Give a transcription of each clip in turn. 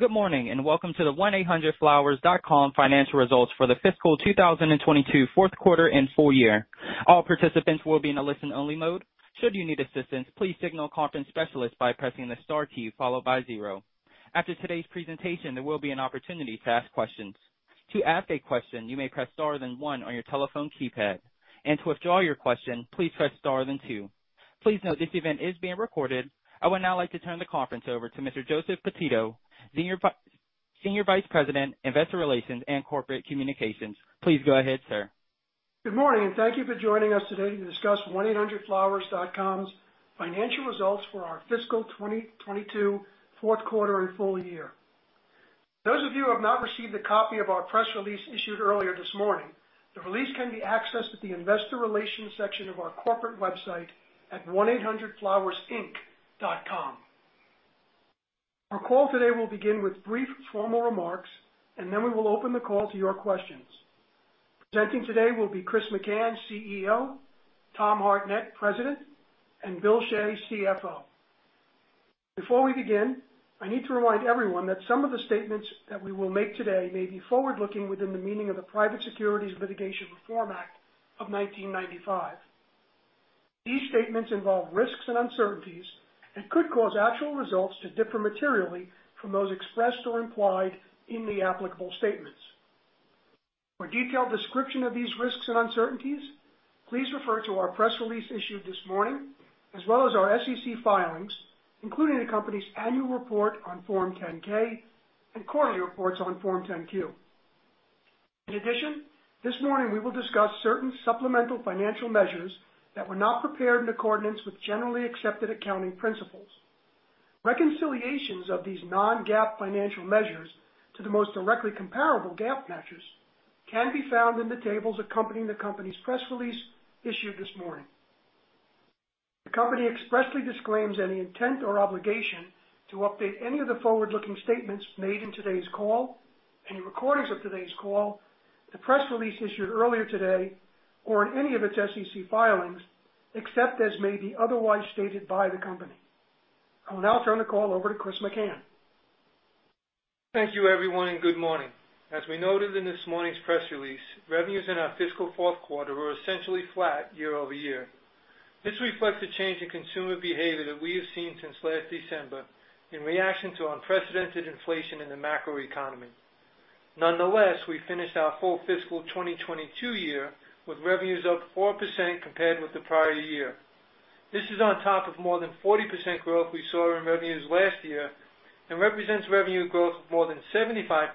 Good morning, and welcome to the 1-800-FLOWERS.COM financial results for the fiscal 2022 fourth quarter and full year. All participants will be in a listen-only mode. Should you need assistance, please signal a conference specialist by pressing the star key followed by zero. After today's presentation, there will be an opportunity to ask questions. To ask a question, you may press star then one on your telephone keypad. To withdraw your question, please press star then two. Please note this event is being recorded. I would now like to turn the conference over to Mr. Joseph Pititto, Senior Vice President, Investor Relations and Corporate Communications. Please go ahead, sir. Good morning and thank you for joining us today to discuss 1-800-FLOWERS.COM's financial results for our fiscal 2022 fourth quarter and full year. Those of you who have not received a copy of our press release issued earlier this morning. The release can be accessed at the Investor Relations section of our corporate website at 1800flowersinc.com. Our call today will begin with brief formal remarks, and then we will open the call to your questions. Presenting today will be Chris McCann, CEO, Tom Hartnett, President, and Bill Shea, CFO. Before we begin, I need to remind everyone that some of the statements that we will make today may be forward-looking within the meaning of the Private Securities Litigation Reform Act of 1995. These statements involve risks and uncertainties and could cause actual results to differ materially from those expressed or implied in the applicable statements. For detailed description of these risks and uncertainties, please refer to our press release issued this morning, as well as our SEC filings, including the company's annual report on Form 10-K and quarterly reports on Form 10-Q. In addition, this morning we will discuss certain supplemental financial measures that were not prepared in accordance with generally accepted accounting principles. Reconciliations of these non-GAAP financial measures to the most directly comparable GAAP measures can be found in the tables accompanying the company's press release issued this morning. The company expressly disclaims any intent or obligation to update any of the forward-looking statements made in today's call, any recordings of today's call, the press release issued earlier today, or in any of its SEC filings, except as may be otherwise stated by the company. I will now turn the call over to Chris McCann. Thank you, everyone, and good morning. As we noted in this morning's press release, revenues in our fiscal fourth quarter were essentially flat year-over-year. This reflects the change in consumer behavior that we have seen since last December in reaction to unprecedented inflation in the macro economy. Nonetheless, we finished our full fiscal 2022 year with revenues up 4% compared with the prior year. This is on top of more than 40% growth we saw in revenues last year and represents revenue growth of more than 75%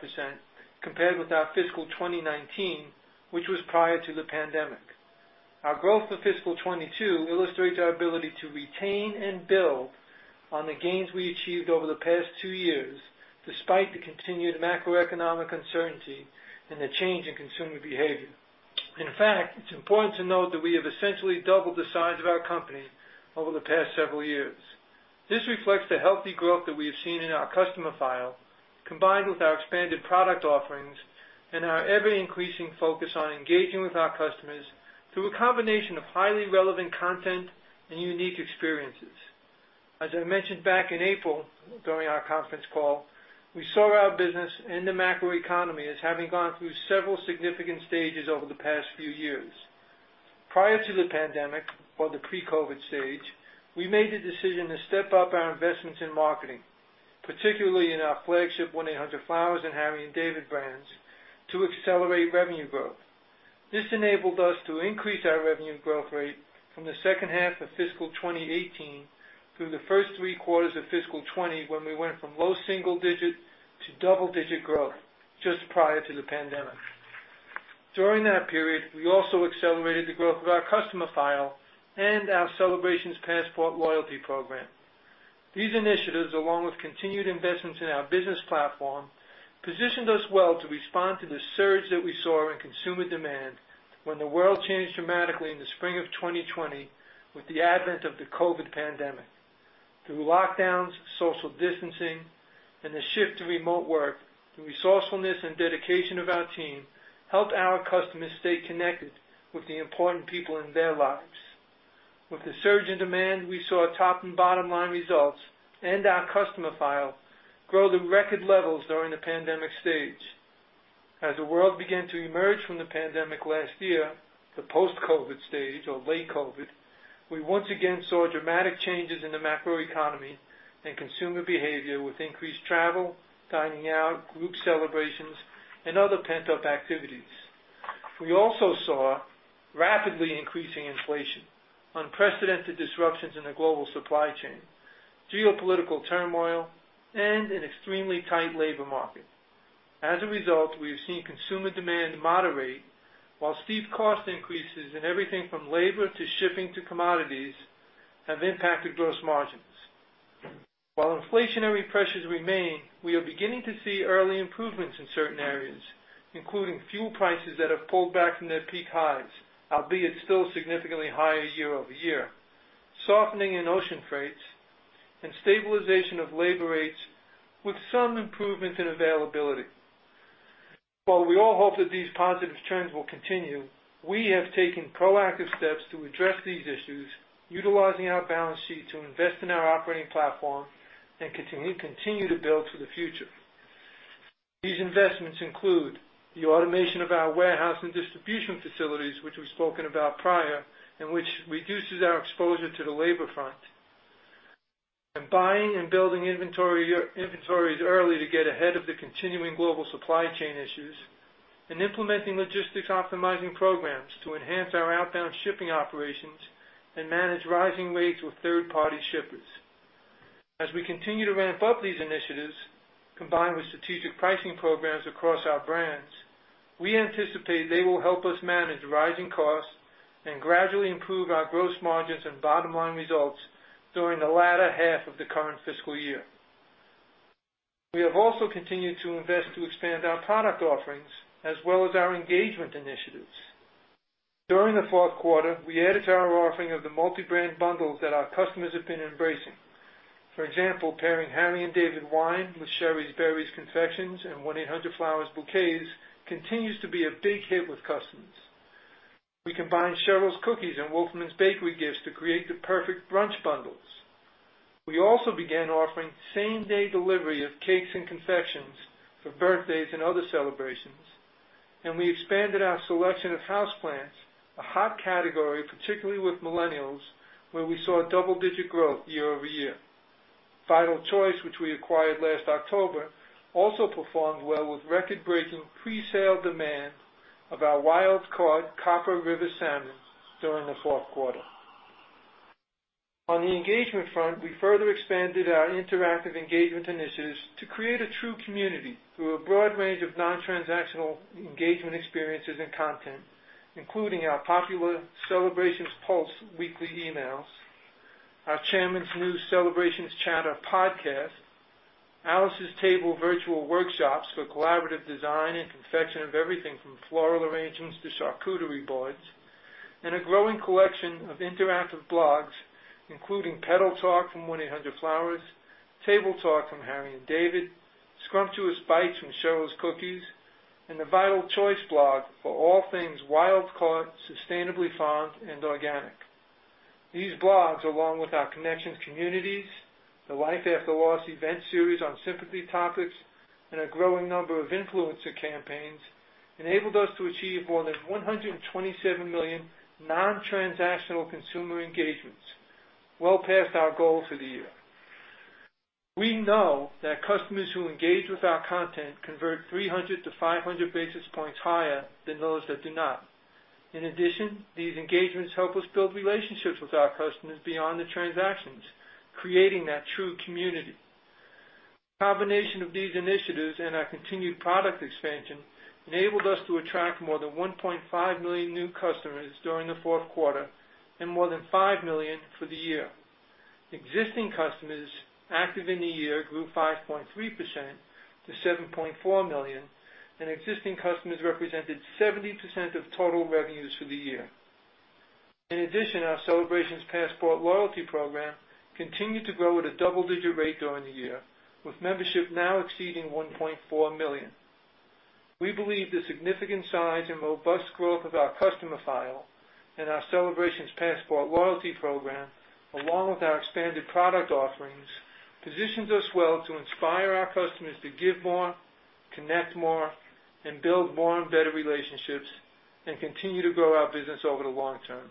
compared with our fiscal 2019, which was prior to the pandemic. Our growth for fiscal 2022 illustrates our ability to retain and build on the gains we achieved over the past 2 years, despite the continued macroeconomic uncertainty and the change in consumer behavior. In fact, it's important to note that we have essentially doubled the size of our company over the past several years. This reflects the healthy growth that we have seen in our customer file, combined with our expanded product offerings and our ever-increasing focus on engaging with our customers through a combination of highly relevant content and unique experiences. As I mentioned back in April during our conference call, we saw our business and the macro economy as having gone through several significant stages over the past few years. Prior to the pandemic or the pre-COVID stage, we made the decision to step up our investments in marketing, particularly in our flagship 1-800-FLOWERS and Harry & David brands, to accelerate revenue growth. This enabled us to increase our revenue growth rate from the second half of fiscal 2018 through the first three quarters of fiscal 2020, when we went from low single-digit to double-digit growth just prior to the pandemic. During that period, we also accelerated the growth of our customer file and our Celebrations Passport loyalty program. These initiatives, along with continued investments in our business platform, positioned us well to respond to the surge that we saw in consumer demand when the world changed dramatically in the spring of 2020 with the advent of the COVID pandemic. Through lockdowns, social distancing, and the shift to remote work, the resourcefulness and dedication of our team helped our customers stay connected with the important people in their lives. With the surge in demand, we saw top and bottom line results and our customer file grow to record levels during the pandemic stage. As the world began to emerge from the pandemic last year, the post-COVID stage or late COVID, we once again saw dramatic changes in the macro economy and consumer behavior with increased travel, dining out, group celebrations, and other pent-up activities. We also saw rapidly increasing inflation, unprecedented disruptions in the global supply chain, geopolitical turmoil, and an extremely tight labor market. As a result, we have seen consumer demand moderate while steep cost increases in everything from labor to shipping to commodities have impacted gross margins. While inflationary pressures remain, we are beginning to see early improvements in certain areas, including fuel prices that have pulled back from their peak highs, albeit still significantly higher year-over-year, softening in ocean freight, and stabilization of labor rates with some improvements in availability. While we all hope that these positive trends will continue, we have taken proactive steps to address these issues, utilizing our balance sheet to invest in our operating platform and continue to build for the future. These investments include the automation of our warehouse and distribution facilities, which we've spoken about prior, and which reduces our exposure to the labor front, buying and building inventories early to get ahead of the continuing global supply chain issues, and implementing logistics optimizing programs to enhance our outbound shipping operations and manage rising rates with third-party shippers. As we continue to ramp up these initiatives, combined with strategic pricing programs across our brands, we anticipate they will help us manage rising costs and gradually improve our gross margins and bottom line results during the latter half of the current fiscal year. We have also continued to invest to expand our product offerings as well as our engagement initiatives. During the fourth quarter, we added to our offering of the multi-brand bundles that our customers have been embracing. For example, pairing Harry & David wine with Shari's Berries confections and 1-800-FLOWERS bouquets continues to be a big hit with customers. We combined Cheryl's Cookies and Wolferman's Bakery gifts to create the perfect brunch bundles. We also began offering same-day delivery of cakes and confections for birthdays and other celebrations, and we expanded our selection of house plants, a hot category, particularly with millennials, where we saw double-digit growth year over year. Vital Choice, which we acquired last October, also performed well with record-breaking presale demand of our wild caught Copper River salmon during the fourth quarter. On the engagement front, we further expanded our interactive engagement initiatives to create a true community through a broad range of non-transactional engagement experiences and content, including our popular Celebrations Pulse weekly emails, our chairman's new Celebrations Chatter podcast, Alice's Table virtual workshops for collaborative design and confection of everything from floral arrangements to charcuterie boards, and a growing collection of interactive blogs, including Petal Talk from 1-800-FLOWERS, Table Talk from Harry & David, Scrumptious Bites from Cheryl's Cookies, and the Vital Choice blog for all things wild-caught, sustainably farmed, and organic. These blogs, along with our Connections Communities, the Life After Loss event series on sympathy topics, and a growing number of influencer campaigns, enabled us to achieve more than 127 million non-transactional consumer engagements, well past our goal for the year. We know that customers who engage with our content convert 300-500 basis points higher than those that do not. In addition, these engagements help us build relationships with our customers beyond the transactions, creating that true community. Combination of these initiatives and our continued product expansion enabled us to attract more than 1.5 million new customers during the fourth quarter and more than 5 million for the year. Existing customers active in the year grew 5.3% to 7.4 million, and existing customers represented 70% of total revenues for the year. In addition, our Celebrations Passport loyalty program continued to grow at a double-digit rate during the year, with membership now exceeding 1.4 million. We believe the significant size and robust growth of our customer file and our Celebrations Passport loyalty program, along with our expanded product offerings, positions us well to inspire our customers to give more, connect more, and build more and better relationships, and continue to grow our business over the long term.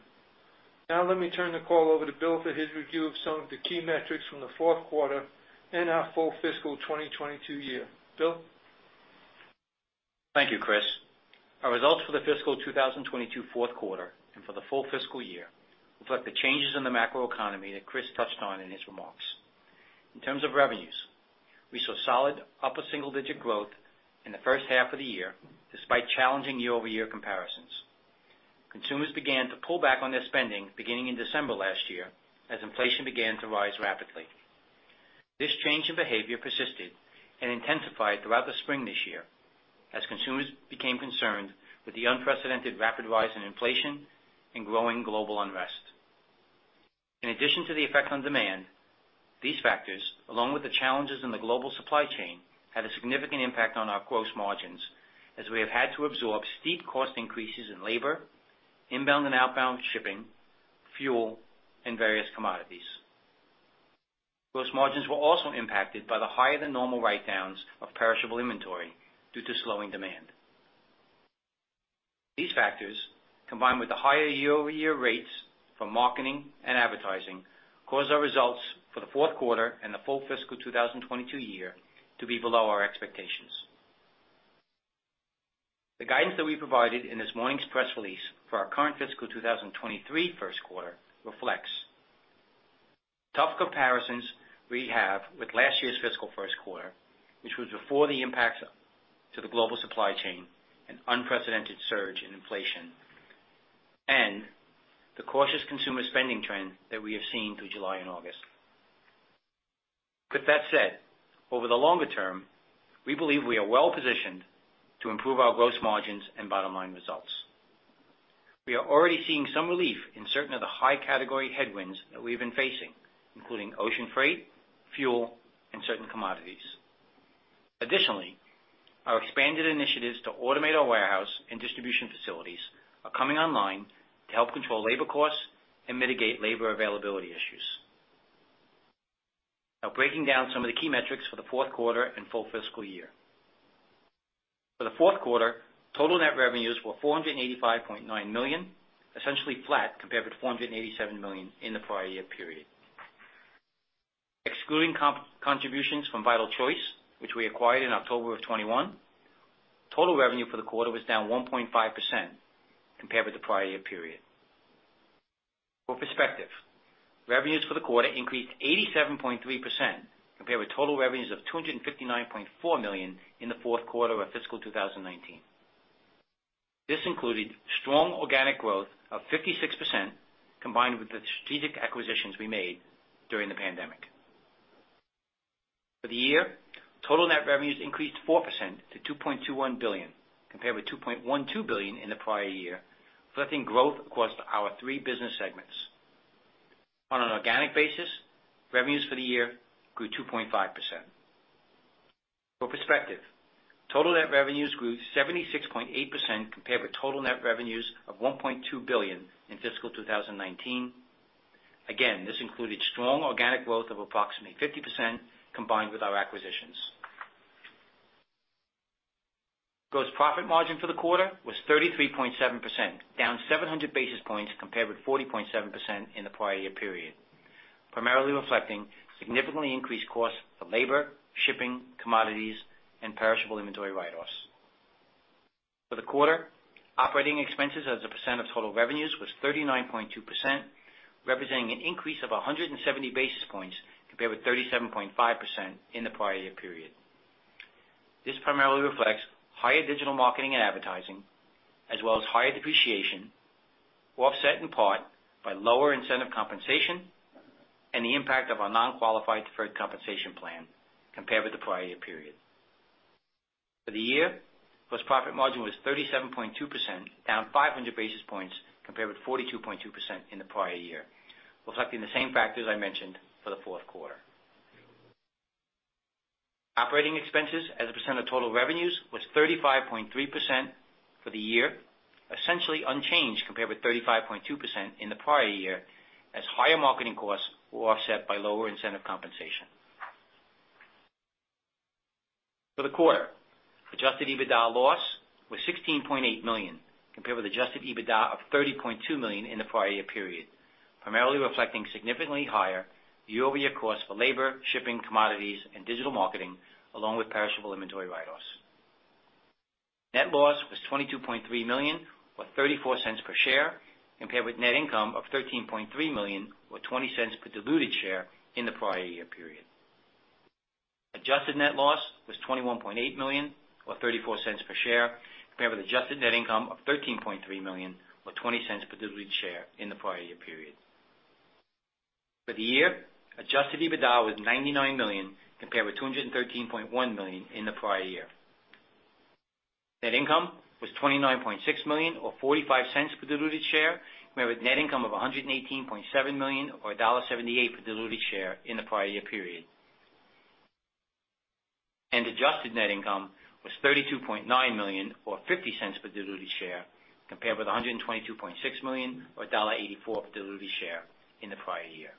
Now let me turn the call over to Bill for his review of some of the key metrics from the fourth quarter and our full fiscal 2022 year. Bill? Thank you, Chris. Our results for the fiscal 2022 fourth quarter and for the full fiscal year reflect the changes in the macroeconomy that Chris touched on in his remarks. In terms of revenues, we saw solid upper single-digit growth in the first half of the year, despite challenging year-over-year comparisons. Consumers began to pull back on their spending beginning in December last year as inflation began to rise rapidly. This change in behavior persisted and intensified throughout the spring this year as consumers became concerned with the unprecedented rapid rise in inflation and growing global unrest. In addition to the effect on demand, these factors, along with the challenges in the global supply chain, had a significant impact on our gross margins as we have had to absorb steep cost increases in labor, inbound and outbound shipping, fuel, and various commodities. Gross margins were also impacted by the higher than normal write-downs of perishable inventory due to slowing demand. These factors, combined with the higher year-over-year rates for marketing and advertising, caused our results for the fourth quarter and the full fiscal 2022 year to be below our expectations. The guidance that we provided in this morning's press release for our current fiscal 2023 first quarter reflects tough comparisons we have with last year's fiscal first quarter, which was before the impacts to the global supply chain and unprecedented surge in inflation, and the cautious consumer spending trend that we have seen through July and August. With that said, over the longer term, we believe we are well-positioned to improve our gross margins and bottom line results. We are already seeing some relief in certain of the high category headwinds that we've been facing, including ocean freight, fuel, and certain commodities. Additionally, our expanded initiatives to automate our warehouse and distribution facilities are coming online to help control labor costs and mitigate labor availability issues. Now breaking down some of the key metrics for the fourth quarter and full fiscal year. For the fourth quarter, total net revenues were $485.9 million, essentially flat compared with $487 million in the prior year period. Excluding contributions from Vital Choice, which we acquired in October 2021, total revenue for the quarter was down 1.5% compared with the prior year period. For perspective, revenues for the quarter increased 87.3% compared with total revenues of $259.4 million in the fourth quarter of fiscal 2019. This included strong organic growth of 56%, combined with the strategic acquisitions we made during the pandemic. For the year, total net revenues increased 4% to $2.21 billion, compared with $2.12 billion in the prior year, reflecting growth across our three business segments. On an organic basis, revenues for the year grew 2.5%. For perspective, total net revenues grew 76.8% compared with total net revenues of $1.2 billion in fiscal 2019. Again, this included strong organic growth of approximately 50% combined with our acquisitions. Gross profit margin for the quarter was 33.7%, down 700 basis points compared with 40.7% in the prior year period, primarily reflecting significantly increased costs for labor, shipping, commodities, and perishable inventory write-offs. For the quarter, operating expenses as a percent of total revenues was 39.2%, representing an increase of 170 basis points compared with 37.5% in the prior year period. This primarily reflects higher digital marketing and advertising, as well as higher depreciation, offset in part by lower incentive compensation and the impact of our non-qualified deferred compensation plan compared with the prior year period. For the year, gross profit margin was 37.2%, down 500 basis points compared with 42.2% in the prior year, reflecting the same factors I mentioned for the fourth quarter. Operating expenses as a percent of total revenues was 35.3% for the year, essentially unchanged compared with 35.2% in the prior year, as higher marketing costs were offset by lower incentive compensation. For the quarter, adjusted EBITDA loss was $16.8 million, compared with adjusted EBITDA of $30.2 million in the prior year period, primarily reflecting significantly higher year-over-year costs for labor, shipping, commodities, and digital marketing, along with perishable inventory write-offs. Net loss was $22.3 million or $0.34 per share, compared with net income of $13.3 million or $0.20 per diluted share in the prior year period. Adjusted net loss was $21.8 million or $0.34 per share, compared with adjusted net income of $13.3 million or $0.20 per diluted share in the prior year period. For the year, adjusted EBITDA was $99 million compared with $213.1 million in the prior year. Net income was $29.6 million or $0.45 per diluted share, compared with net income of $118.7 million or $1.78 per diluted share in the prior year period. Adjusted net income was $32.9 million or $0.50 per diluted share, compared with $122.6 million or $1.84 per diluted share in the prior year.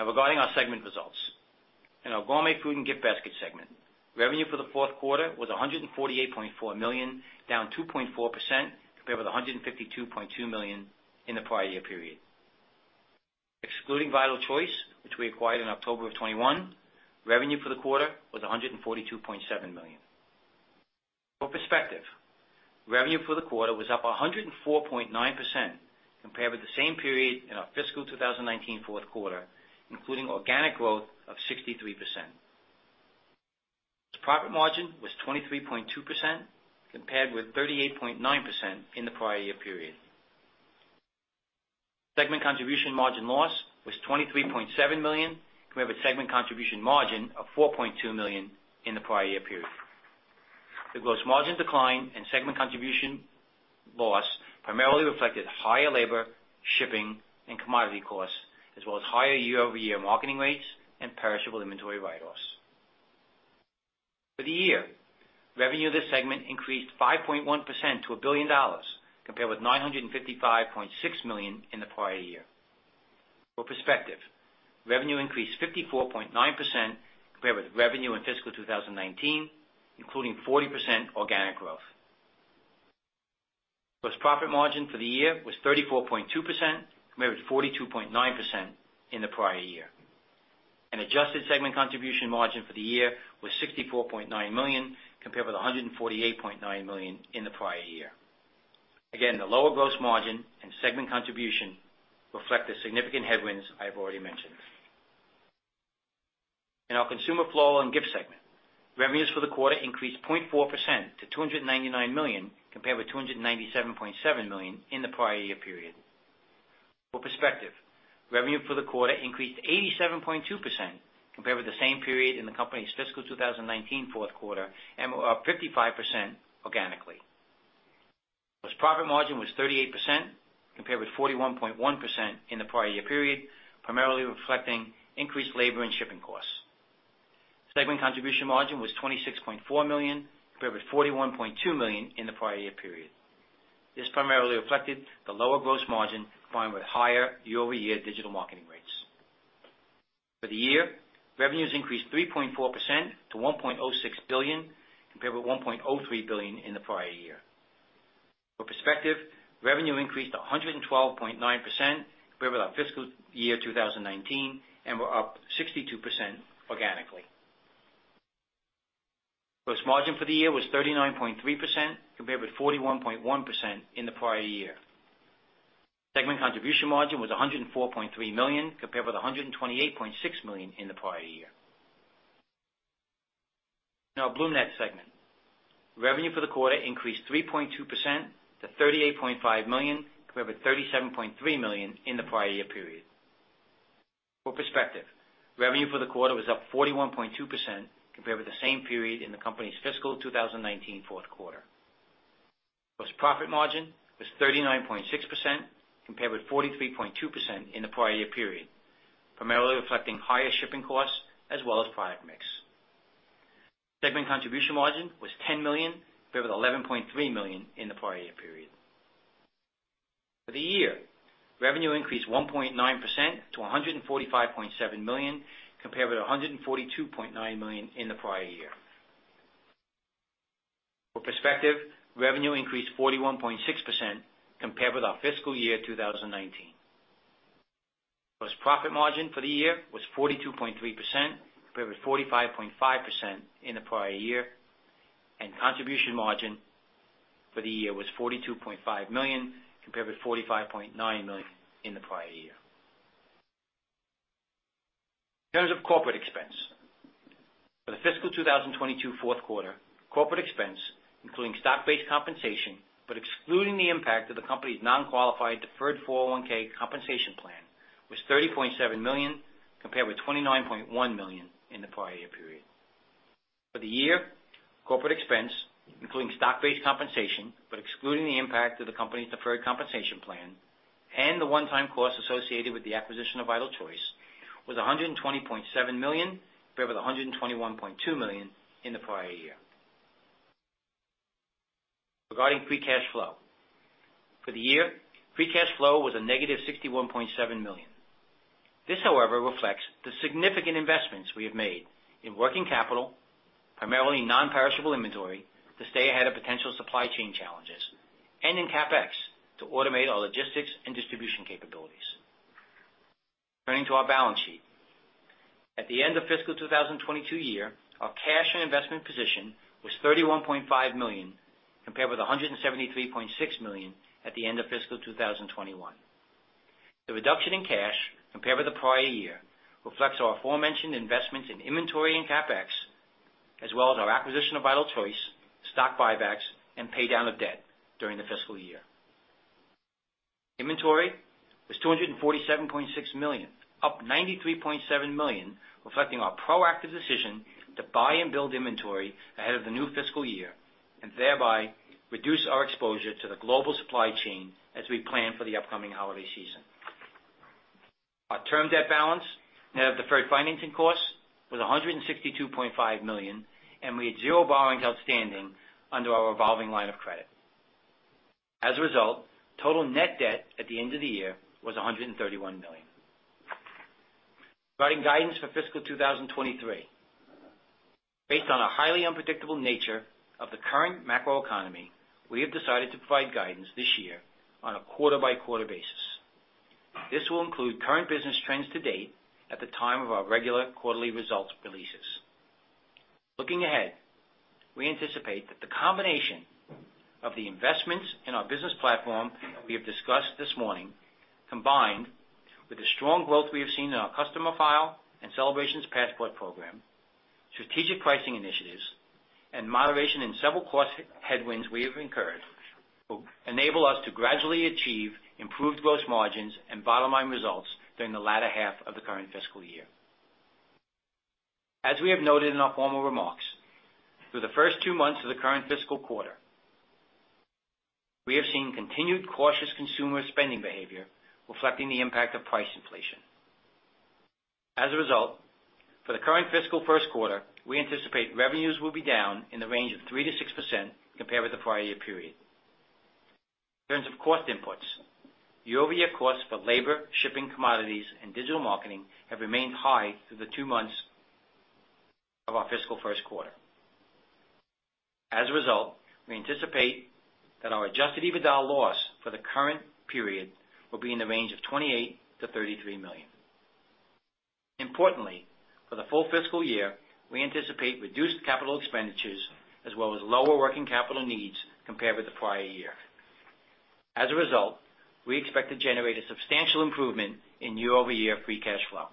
Now regarding our segment results. In our Gourmet Foods and Gift Baskets segment, revenue for the fourth quarter was $148.4 million, down 2.4% compared with $152.2 million in the prior year period. Excluding Vital Choice, which we acquired in October 2021, revenue for the quarter was $142.7 million. For perspective, revenue for the quarter was up 104.9% compared with the same period in our fiscal 2019 fourth quarter, including organic growth of 63%. Its profit margin was 23.2% compared with 38.9% in the prior year period. Segment contribution margin loss was $23.7 million compared with segment contribution margin of $4.2 million in the prior year period. The gross margin decline and segment contribution loss primarily reflected higher labor, shipping, and commodity costs, as well as higher year-over-year marketing rates and perishable inventory write-offs. For the year, revenue of this segment increased 5.1% to $1 billion, compared with $955.6 million in the prior year. For perspective, revenue increased 54.9% compared with revenue in fiscal 2019, including 40% organic growth. Plus profit margin for the year was 34.2% compared with 42.9% in the prior year. Adjusted segment contribution margin for the year was $64.9 million compared with $148.9 million in the prior year. Again, the lower gross margin and segment contribution reflect the significant headwinds I've already mentioned. In our Consumer Floral and Gifts segment, revenues for the quarter increased 0.4% to $299 million, compared with $297.7 million in the prior year period. For perspective, revenue for the quarter increased 87.2% compared with the same period in the company's fiscal 2019 fourth quarter, and we're up 55% organically. Gross profit margin was 38% compared with 41.1% in the prior year period, primarily reflecting increased labor and shipping costs. Segment contribution margin was $26.4 million compared with $41.2 million in the prior year period. This primarily reflected the lower gross margin combined with higher year-over-year digital marketing rates. For the year, revenues increased 3.4% to $1.06 billion, compared with $1.03 billion in the prior year. For perspective, revenue increased 112.9% compared with our fiscal year 2019, and we're up 62% organically. Gross margin for the year was 39.3% compared with 41.1% in the prior year. Segment contribution margin was $104.3 million compared with $128.6 million in the prior year. Now, BloomNet segment. Revenue for the quarter increased 3.2% to $38.5 million compared with $37.3 million in the prior year period. For perspective, revenue for the quarter was up 41.2% compared with the same period in the company's fiscal 2019 fourth quarter. Gross profit margin was 39.6% compared with 43.2% in the prior year period, primarily reflecting higher shipping costs as well as product mix. Segment contribution margin was $10 million compared with $11.3 million in the prior year period. For the year, revenue increased 1.9% to $145.7 million compared with $142.9 million in the prior year. For perspective, revenue increased 41.6% compared with our fiscal year 2019. Gross profit margin for the year was 42.3% compared with 45.5% in the prior year, and contribution margin for the year was $42.5 million compared with $45.9 million in the prior year. In terms of corporate expense. For the fiscal 2022 fourth quarter, corporate expense, including stock-based compensation, but excluding the impact of the company's non-qualified deferred 401(k) compensation plan, was $30.7 million compared with $29.1 million in the prior year period. For the year, corporate expense, including stock-based compensation, but excluding the impact of the company's deferred compensation plan and the one-time costs associated with the acquisition of Vital Choice, was $120.7 million compared with $121.2 million in the prior year. Regarding free cash flow. For the year, free cash flow was -$61.7 million. This, however, reflects the significant investments we have made in working capital, primarily non-perishable inventory to stay ahead of potential supply chain challenges, and in CapEx to automate our logistics and distribution capabilities. Turning to our balance sheet. At the end of fiscal 2022 year, our cash and investment position was $31.5 million compared with $173.6 million at the end of fiscal 2021. The reduction in cash compared with the prior year reflects our aforementioned investments in inventory and CapEx, as well as our acquisition of Vital Choice, stock buybacks, and pay down of debt during the fiscal year. Inventory was $247.6 million, up $93.7 million, reflecting our proactive decision to buy and build inventory ahead of the new fiscal year, and thereby reduce our exposure to the global supply chain as we plan for the upcoming holiday season. Our term debt balance, net of deferred financing costs, was $162.5 million, and we had 0 borrowings outstanding under our revolving line of credit. As a result, total net debt at the end of the year was $131 million. Providing guidance for fiscal 2023. Based on a highly unpredictable nature of the current macroeconomy, we have decided to provide guidance this year on a quarter-by-quarter basis. This will include current business trends to date at the time of our regular quarterly results releases. Looking ahead, we anticipate that the combination of the investments in our business platform that we have discussed this morning, combined with the strong growth we have seen in our customer file and Celebrations Passport program, strategic pricing initiatives, and moderation in several cost headwinds we have incurred will enable us to gradually achieve improved gross margins and bottom line results during the latter half of the current fiscal year. As we have noted in our formal remarks, through the first two months of the current fiscal quarter, we have seen continued cautious consumer spending behavior reflecting the impact of price inflation. As a result, for the current fiscal first quarter, we anticipate revenues will be down in the range of 3%-6% compared with the prior year period. In terms of cost inputs, year-over-year costs for labor, shipping, commodities, and digital marketing have remained high through the two months of our fiscal first quarter. As a result, we anticipate that our adjusted EBITDA loss for the current period will be in the range of $28 million-$33 million. Importantly, for the full fiscal year, we anticipate reduced capital expenditures as well as lower working capital needs compared with the prior year. As a result, we expect to generate a substantial improvement in year-over-year free cash flow.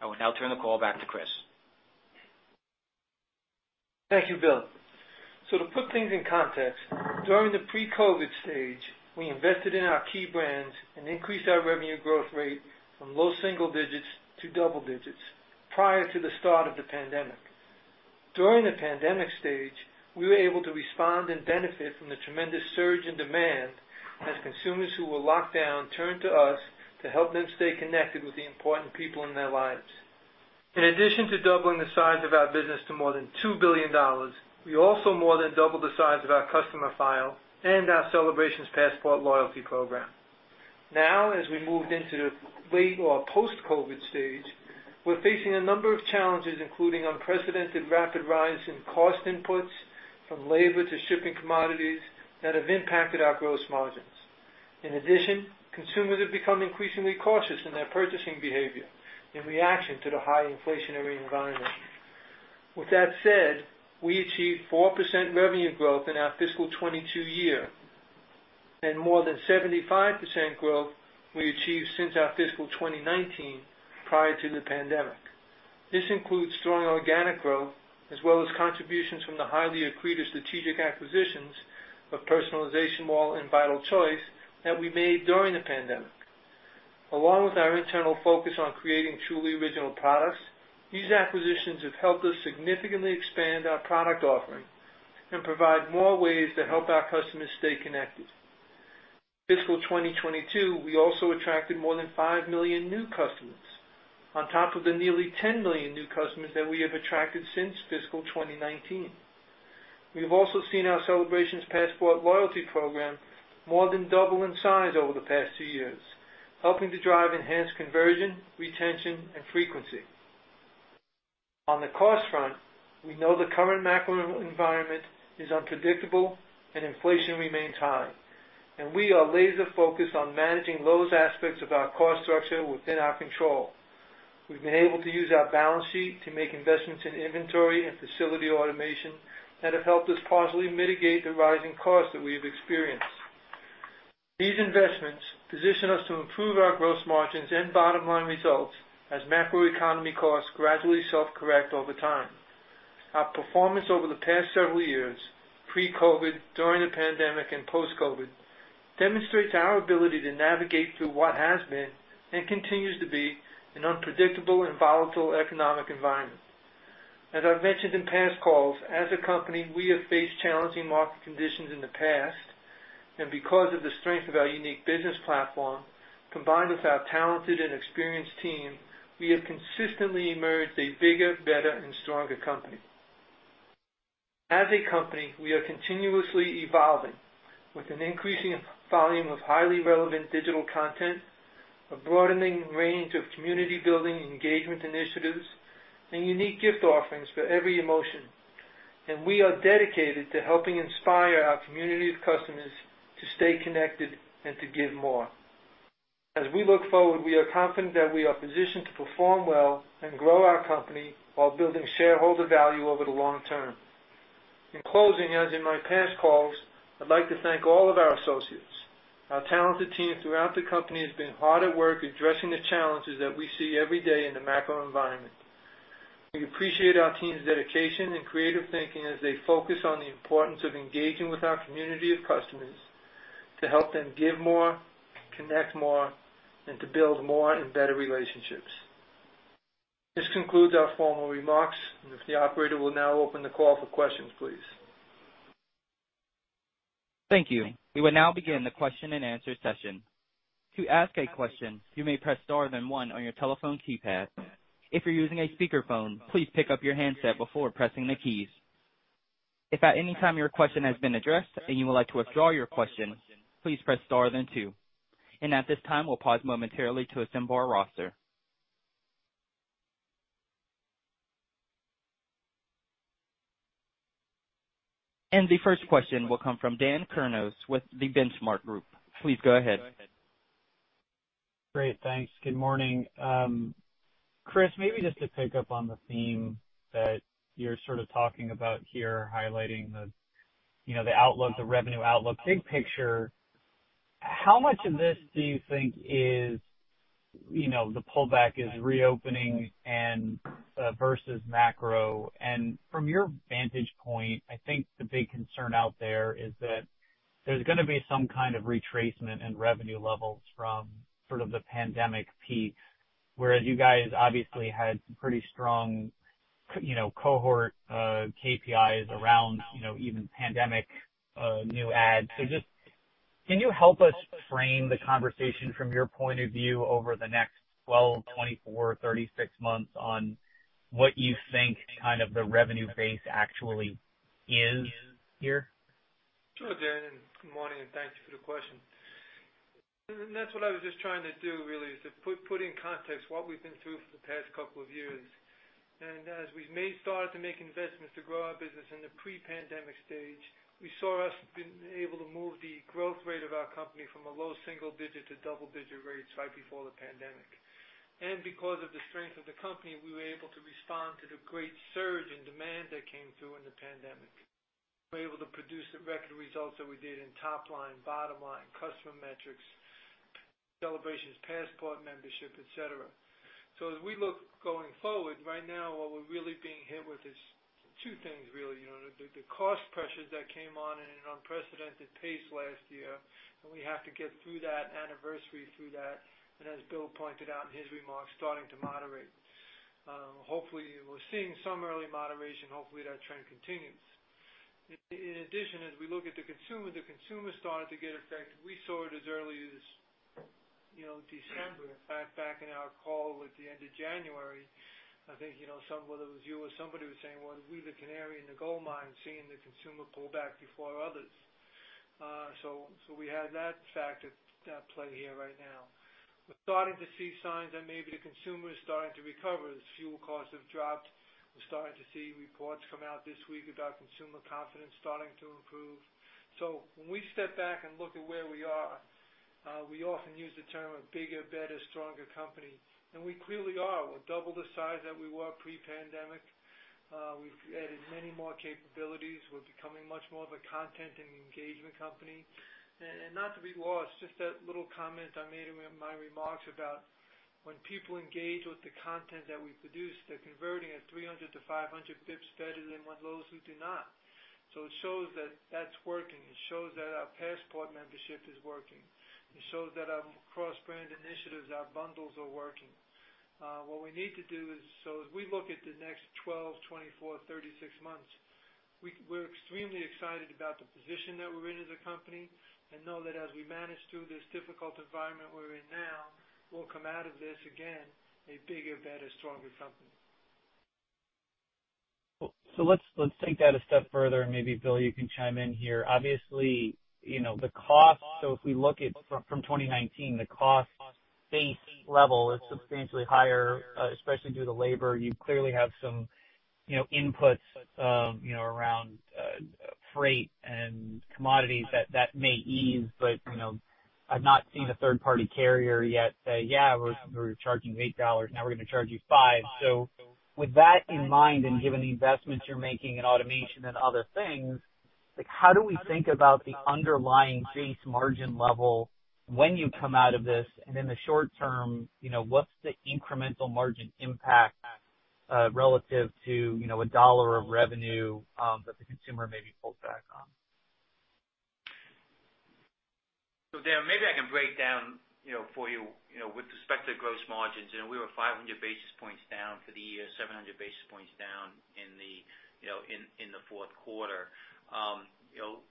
I will now turn the call back to Chris. Thank you, Bill. To put things in context, during the pre-COVID stage, we invested in our key brands and increased our revenue growth rate from low single digits to double digits prior to the start of the pandemic. During the pandemic stage, we were able to respond and benefit from the tremendous surge in demand as consumers who were locked down turned to us to help them stay connected with the important people in their lives. In addition to doubling the size of our business to more than $2 billion, we also more than doubled the size of our customer file and our Celebrations Passport loyalty program. Now, as we moved into the late or post-COVID stage, we're facing a number of challenges, including unprecedented rapid rise in cost inputs, from labor to shipping commodities that have impacted our gross margins. In addition, consumers have become increasingly cautious in their purchasing behavior in reaction to the high inflationary environment. With that said, we achieved 4% revenue growth in our fiscal 2022 year and more than 75% growth we achieved since our fiscal 2019 prior to the pandemic. This includes strong organic growth as well as contributions from the highly accretive strategic acquisitions of PersonalizationMall.com and Vital Choice that we made during the pandemic. Along with our internal focus on creating truly original products, these acquisitions have helped us significantly expand our product offering and provide more ways to help our customers stay connected. Fiscal 2022, we also attracted more than 5 million new customers on top of the nearly 10 million new customers that we have attracted since fiscal 2019. We have also seen our Celebrations Passport loyalty program more than double in size over the past two years, helping to drive enhanced conversion, retention, and frequency. On the cost front, we know the current macro environment is unpredictable and inflation remains high, and we are laser focused on managing those aspects of our cost structure within our control. We've been able to use our balance sheet to make investments in inventory and facility automation that have helped us partially mitigate the rising costs that we have experienced. These investments position us to improve our gross margins and bottom line results as macro economy costs gradually self-correct over time. Our performance over the past several years, pre-COVID, during the pandemic, and post-COVID, demonstrates our ability to navigate through what has been and continues to be an unpredictable and volatile economic environment. As I've mentioned in past calls, as a company, we have faced challenging market conditions in the past, and because of the strength of our unique business platform, combined with our talented and experienced team, we have consistently emerged a bigger, better, and stronger company. As a company, we are continuously evolving with an increasing volume of highly relevant digital content, a broadening range of community building engagement initiatives, and unique gift offerings for every emotion. We are dedicated to helping inspire our community of customers to stay connected and to give more. As we look forward, we are confident that we are positioned to perform well and grow our company while building shareholder value over the long term. In closing, as in my past calls, I'd like to thank all of our associates. Our talented team throughout the company has been hard at work addressing the challenges that we see every day in the macro environment. We appreciate our team's dedication and creative thinking as they focus on the importance of engaging with our community of customers to help them give more, connect more, and to build more and better relationships. This concludes our formal remarks. If the operator will now open the call for questions, please. Thank you. We will now begin the question and answer session. To ask a question, you may press star then one on your telephone keypad. If you're using a speakerphone, please pick up your handset before pressing the keys. If at any time your question has been addressed and you would like to withdraw your question, please press star then two. At this time, we'll pause momentarily to assemble our roster. The first question will come from Dan Kurnos with The Benchmark Company. Please go ahead. Great. Thanks. Good morning. Chris, maybe just to pick up on the theme that you're sort of talking about here, highlighting the, you know, the outlook, the revenue outlook, big picture, how much of this do you think is, you know, the pullback is reopening and versus macro? From your vantage point, I think the big concern out there is that there's gonna be some kind of retracement in revenue levels from sort of the pandemic peak, whereas you guys obviously had some pretty strong cohort KPIs around, you know, even pandemic new ad. Just can you help us frame the conversation from your point of view over the next 12, 24, 36 months on what you think kind of the revenue base actually is here? Sure, Dan, good morning, and thanks for the question. That's what I was just trying to do really, is to put in context what we've been through for the past couple of years. As we've started to make investments to grow our business in the pre-pandemic stage, we saw us being able to move the growth rate of our company from a low single digit to double digit rates right before the pandemic. Because of the strength of the company, we were able to respond to the great surge in demand that came through in the pandemic. We're able to produce the record results that we did in top line, bottom line, customer metrics, Celebrations Passport membership, et cetera. As we look going forward, right now, what we're really being hit with is two things really, you know, the cost pressures that came on in an unprecedented pace last year, and we have to get through that anniversary through that. As Bill pointed out in his remarks, starting to moderate. Hopefully, we're seeing some early moderation. Hopefully, that trend continues. In addition, as we look at the consumer, the consumer started to get affected. We saw it as early as, you know, December. In fact, back in our call at the end of January, I think, you know, some whether it was you or somebody was saying, "Well, we're the canary in the coal mine, seeing the consumer pull back before others." So we have that factor at play here right now. We're starting to see signs that maybe the consumer is starting to recover as fuel costs have dropped. We're starting to see reports come out this week about consumer confidence starting to improve. When we step back and look at where we are, we often use the term a bigger, better, stronger company, and we clearly are. We're double the size that we were pre-pandemic. We've added many more capabilities. We're becoming much more of a content and engagement company. Not to be lost, just that little comment I made in my remarks about when people engage with the content that we produce, they're converting at 300-500 bps better than when those who do not. It shows that that's working. It shows that our Passport membership is working. It shows that our cross-brand initiatives, our bundles are working. What we need to do is, as we look at the next 12, 24, 36 months, we're extremely excited about the position that we're in as a company and know that as we manage through this difficult environment we're in now, we'll come out of this, again, a bigger, better, stronger company. Let's take that a step further, and maybe, Bill, you can chime in here. Obviously, you know, the cost. If we look at from 2019, the cost base level is substantially higher, especially due to labor. You clearly have some, you know, inputs around freight and commodities that may ease. You know, I've not seen a third-party carrier yet say, "Yeah, we're charging $8, now we're gonna charge you $5." With that in mind and given the investments you're making in automation and other things, like, how do we think about the underlying base margin level when you come out of this? In the short term, you know, what's the incremental margin impact relative to $1 of revenue that the consumer maybe pulls back on? Dan, maybe I can break down, you know, for you know, with respect to gross margins, you know, we were 500 basis points down for the year, 700 basis points down in the fourth quarter. You know,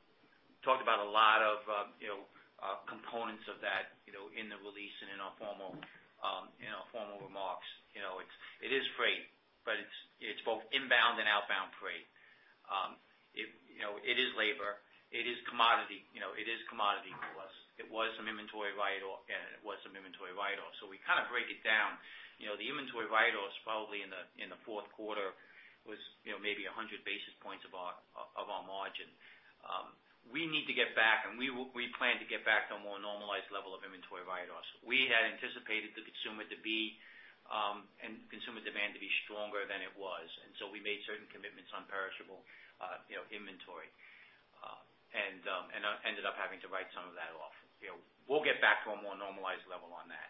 talked about a lot of components of that, you know, in the release and in our formal remarks. You know, it is freight, but it is both inbound and outbound freight. It is labor, it is commodity. You know, it is commodity for us. It was some inventory write-off. We kinda break it down. You know, the inventory write-offs probably in the fourth quarter was, you know, maybe 100 basis points of our margin. We need to get back, and we plan to get back to a more normalized level of inventory write-offs. We had anticipated consumer demand to be stronger than it was, and so we made certain commitments on perishable, you know, inventory, and ended up having to write some of that off. You know, we'll get back to a more normalized level on that.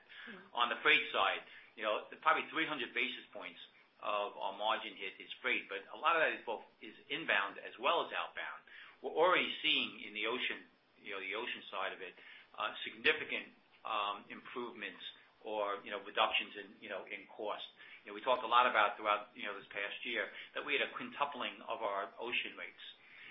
On the freight side, you know, probably 300 basis points of our margin hit is freight, but a lot of that is both inbound as well as outbound. We're already seeing in the ocean, you know, the ocean side of it, significant improvements or reductions in cost. You know, we talked a lot throughout, you know, this past year that we had a quintupling of our ocean rates.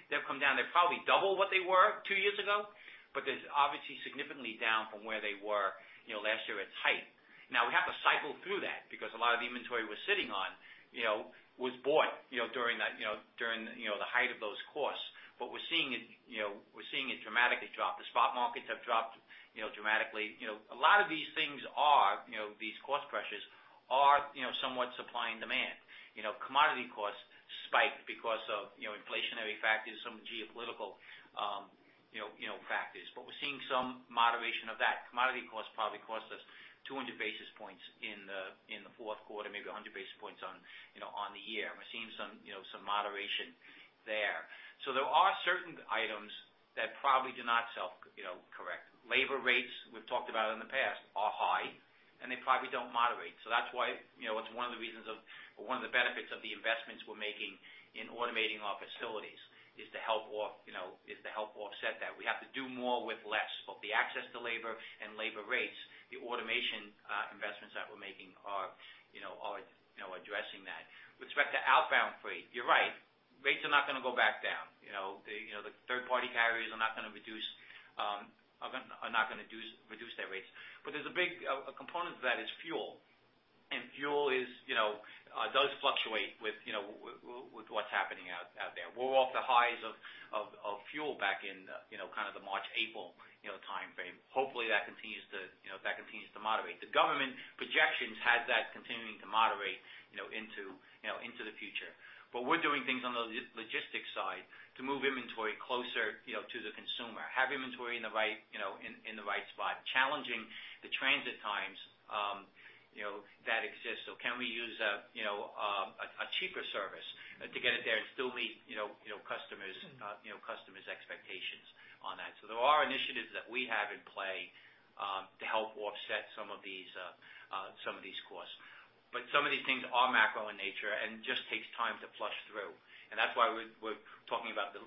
They've come down. They're probably double what they were two years ago, but they're obviously significantly down from where they were, you know, last year at height. Now we have to cycle through that because a lot of inventory we're sitting on, you know, was bought, you know, during that, you know, the height of those costs. But we're seeing it dramatically drop. The spot markets have dropped, you know, dramatically. You know, a lot of these things are, you know, these cost pressures are, you know, somewhat supply and demand. You know, commodity costs spiked because of, you know, inflationary factors, some geopolitical, you know, factors. But we're seeing some moderation of that. Commodity costs probably cost us 200 basis points in the fourth quarter, maybe 100 basis points on, you know, on the year. We're seeing some moderation there. There are certain items that probably do not sell, you know, correct. Labor rates, we've talked about in the past, are high, and they probably don't moderate. That's why, you know, it's one of the reasons or one of the benefits of the investments we're making in automating our facilities, is to help offset that. We have to do more with less of the access to labor and labor rates. The automation investments that we're making are, you know, addressing that. With respect to outbound freight, you're right, rates are not gonna go back down. You know, the third-party carriers are not gonna reduce their rates. There's a big component of that is fuel, and fuel is, you know, does fluctuate with, you know, with what's happening out there. We're off the highs of fuel back in the, you know, kind of the March, April, you know, timeframe. Hopefully, that continues to moderate. The government projections has that continuing to moderate, you know, into the future. We're doing things on the logistics side to move inventory, have inventory in the right, you know, in the right spot, challenging the transit times, you know, that exist. Can we use a cheaper service to get it there and still meet customers' expectations on that. There are initiatives that we have in play to help offset some of these costs. Some of these things are macro in nature and just takes time to flush through. That's why we're talking about the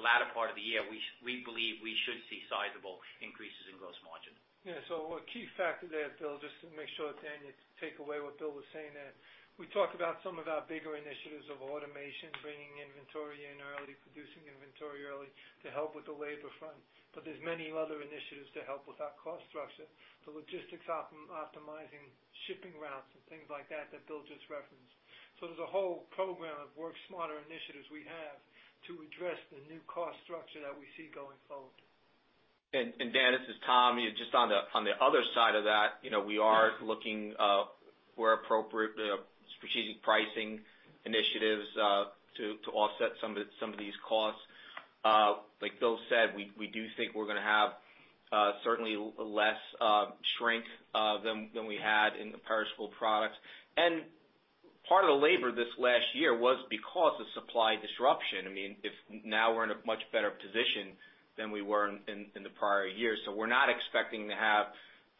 latter part of the year. We believe we should see sizable increases in gross margin. Yeah. A key factor there, Bill, just to make sure, Dan, you take away what Bill was saying there. We talked about some of our bigger initiatives of automation, bringing inventory in early, producing inventory early to help with the labor front. There's many other initiatives to help with our cost structure. The logistics optimizing shipping routes and things like that Bill just referenced. There's a whole program of work smarter initiatives we have to address the new cost structure that we see going forward. Dan, this is Tom. Just on the other side of that, you know, we are looking where appropriate strategic pricing initiatives to offset some of these costs. Like Bill said, we do think we're gonna have certainly less shrink than we had in the perishable products. Part of the labor this last year was because of supply disruption. I mean, if now we're in a much better position than we were in the prior years. We're not expecting to have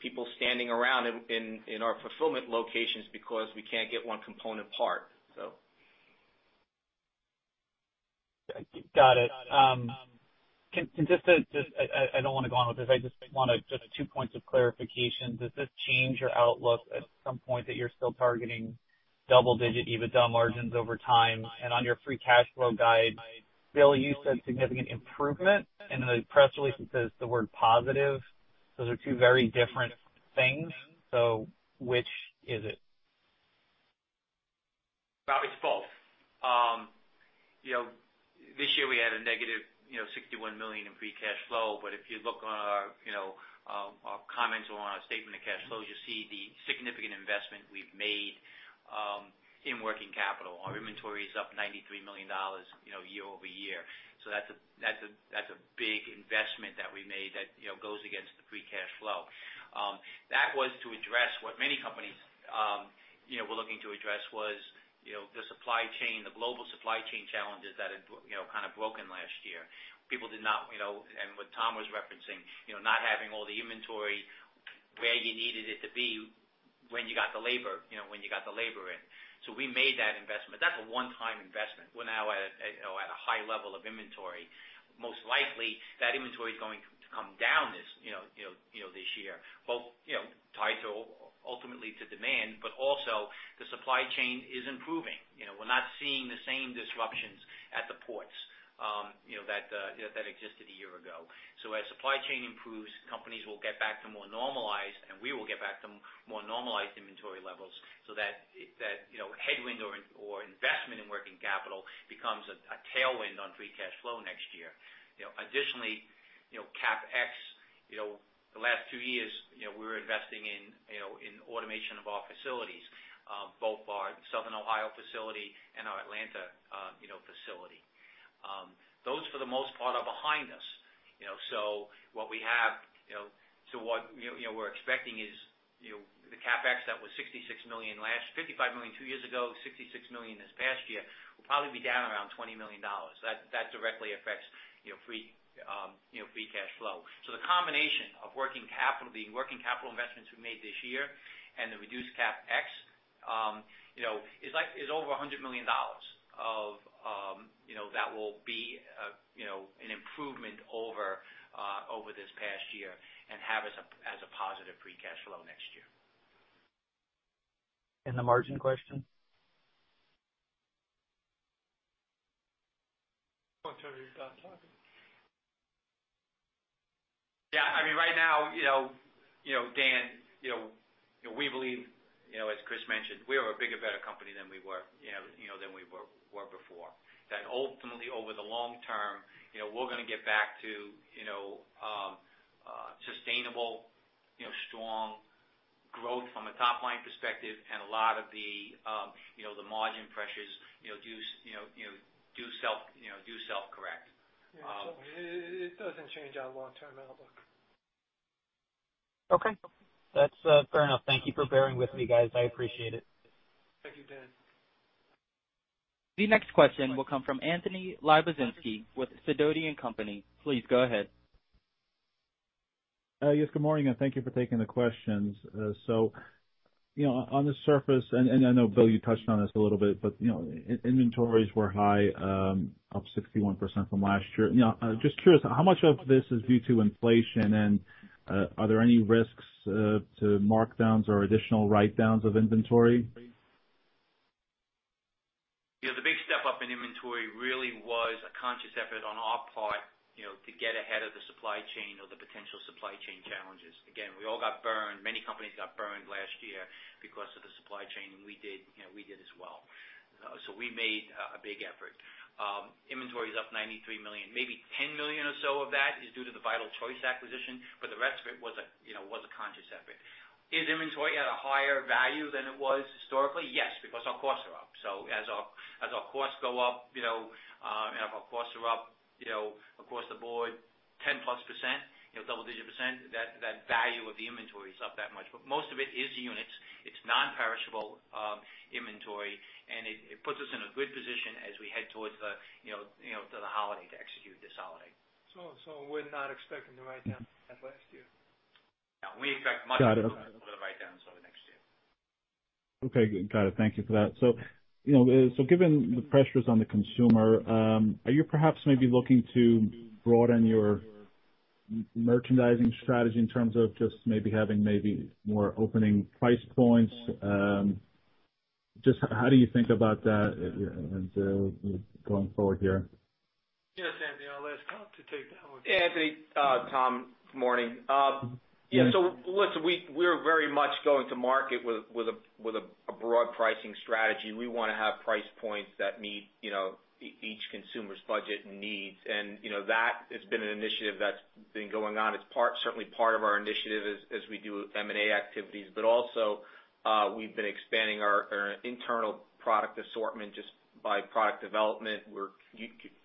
people standing around in our fulfillment locations because we can't get one component part, so. Got it. Just, I don't wanna go on with this. I just want two points of clarification. Does this change your outlook at some point that you're still targeting double digit EBITDA margins over time? On your free cash flow guide, Bill, you said significant improvement, and then the press release says the word positive. Those are two very different things, so which is it? Rob, it's both. You know, this year we had a negative $61 million in free cash flow. If you look on our, you know, our comments on our statement of cash flows, you'll see the significant investment we've made in working capital. Our inventory is up $93 million, you know, year-over-year. That's a big investment that we made that, you know, goes against the free cash flow. That was to address what many companies, you know, were looking to address was, you know, the supply chain, the global supply chain challenges that had broken last year. People did not, you know, and what Tom was referencing, you know, not having all the inventory where you needed it to be when you got the labor in. We made that investment. That's a one-time investment. We're now at, you know, at a high level of inventory. Most likely, that inventory is going to come down this year. Both, you know, tied to ultimately to demand, but also the supply chain is improving. You know, we're not seeing the same disruptions at the ports, you know, that that existed a year ago. As supply chain improves, companies will get back to more normalized, and we will get back to more normalized inventory levels so that it. That headwind or investment in working capital becomes a tailwind on free cash flow next year. Additionally, CapEx, the last two years, we were investing in automation of our facilities, both our Southern Ohio facility and our Atlanta facility. Those for the most part are behind us, so what we're expecting is the CapEx that was $55 million two years ago, $66 million this past year, will probably be down around $20 million. That directly affects free cash flow. The combination of working capital, the working capital investments we made this year and the reduced CapEx, you know, is over $100 million of, you know, that will be a, you know, an improvement over this past year and have as a positive free cash flow next year. The margin question? Oh, sorry. Go on, Tom. Yeah. I mean, right now, you know, Dan, you know, we believe, you know, as Chris mentioned, we are a bigger, better company than we were, you know, than we were before. That ultimately, over the long term, you know, we're gonna get back to, you know, sustainable, you know, strong growth from a top line perspective and a lot of the, you know, the margin pressures, you know, do self-correct. Yeah. It doesn't change our long-term outlook. Okay. That's fair enough. Thank you for bearing with me, guys. I appreciate it. Thank you, Dan. The next question will come from Anthony Lebiedzinski with Sidoti & Company. Please go ahead. Yes, good morning, and thank you for taking the questions. So, you know, on the surface, and I know, Bill, you touched on this a little bit, but, you know, inventories were high, up 61% from last year. You know, just curious, how much of this is due to inflation? Are there any risks to markdowns or additional write-downs of inventory? Yeah, the big step up in inventory really was a conscious effort on our part, you know, to get ahead of the supply chain or the potential supply chain challenges. Again, we all got burned. Many companies got burned last year because of the supply chain, and we did, you know, we did as well. So we made a big effort. Inventory is up $93 million, maybe $10 million or so of that is due to the Vital Choice acquisition, but the rest of it was a conscious effort. Is inventory at a higher value than it was historically? Yes, because our costs are up. As our costs go up, you know, and if our costs are up, you know, across the board. 10%+, you know, double-digit%, that value of the inventory is up that much. Most of it is units. It's non-perishable inventory, and it puts us in a good position as we head towards the, you know, to the holiday to execute this holiday. We're not expecting to write down as last year. No, we expect much- Got it. of a write-down over the next year. Okay, got it. Thank you for that. You know, so given the pressures on the consumer, are you perhaps maybe looking to broaden your merchandising strategy in terms of just maybe having maybe more opening price points? Just how do you think about that, you know, going forward here? Yes, Anthony, I'll ask Tom to take that one. Anthony, Tom, good morning. Listen, we're very much going to market with a broad pricing strategy. We wanna have price points that meet, you know, each consumer's budget needs. You know, that has been an initiative that's been going on. It's certainly part of our initiative as we do M&A activities. Also, we've been expanding our internal product assortment just by product development. We're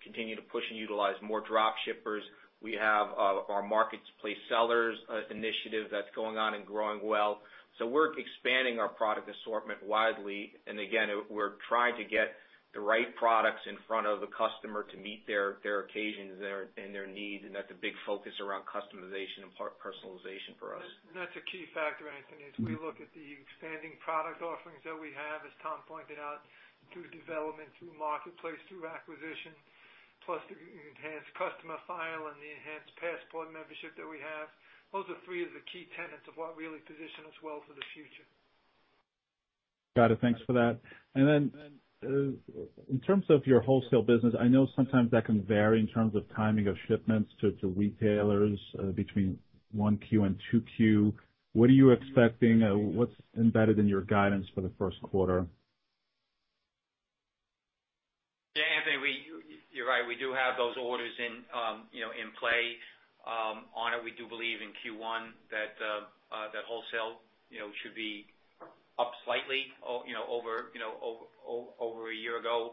continuing to push and utilize more drop shippers. We have our Marketplace Sellers initiative that's going on and growing well. We're expanding our product assortment widely. Again, we're trying to get the right products in front of the customer to meet their occasions and their needs, and that's a big focus around customization and personalization for us. That's a key factor, Anthony. As we look at the expanding product offerings that we have, as Tom pointed out, through development, through marketplace, through acquisition, plus the enhanced customer file and the enhanced passport membership that we have, those are three of the key tenets of what really position us well for the future. Got it. Thanks for that. In terms of your wholesale business, I know sometimes that can vary in terms of timing of shipments to retailers, between 1Q and 2Q. What are you expecting? What's embedded in your guidance for the first quarter? Yeah, Anthony, you're right. We do have those orders in, you know, in play. On it, we do believe in Q1 that the wholesale, you know, should be up slightly, you know, over a year ago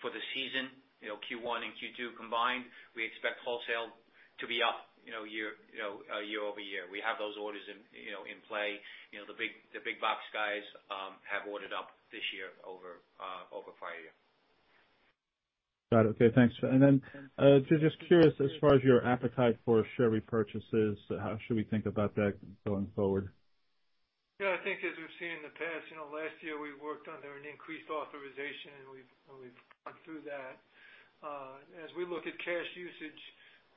for the season. You know, Q1 and Q2 combined, we expect wholesale to be up, you know, year-over-year. We have those orders in, you know, in play. You know, the big box guys have ordered up this year over prior year. Got it. Okay, thanks. Just curious, as far as your appetite for share repurchases, how should we think about that going forward? Yeah, I think as we've seen in the past, you know, last year, we worked under an increased authorization, and we've gone through that. As we look at cash usage,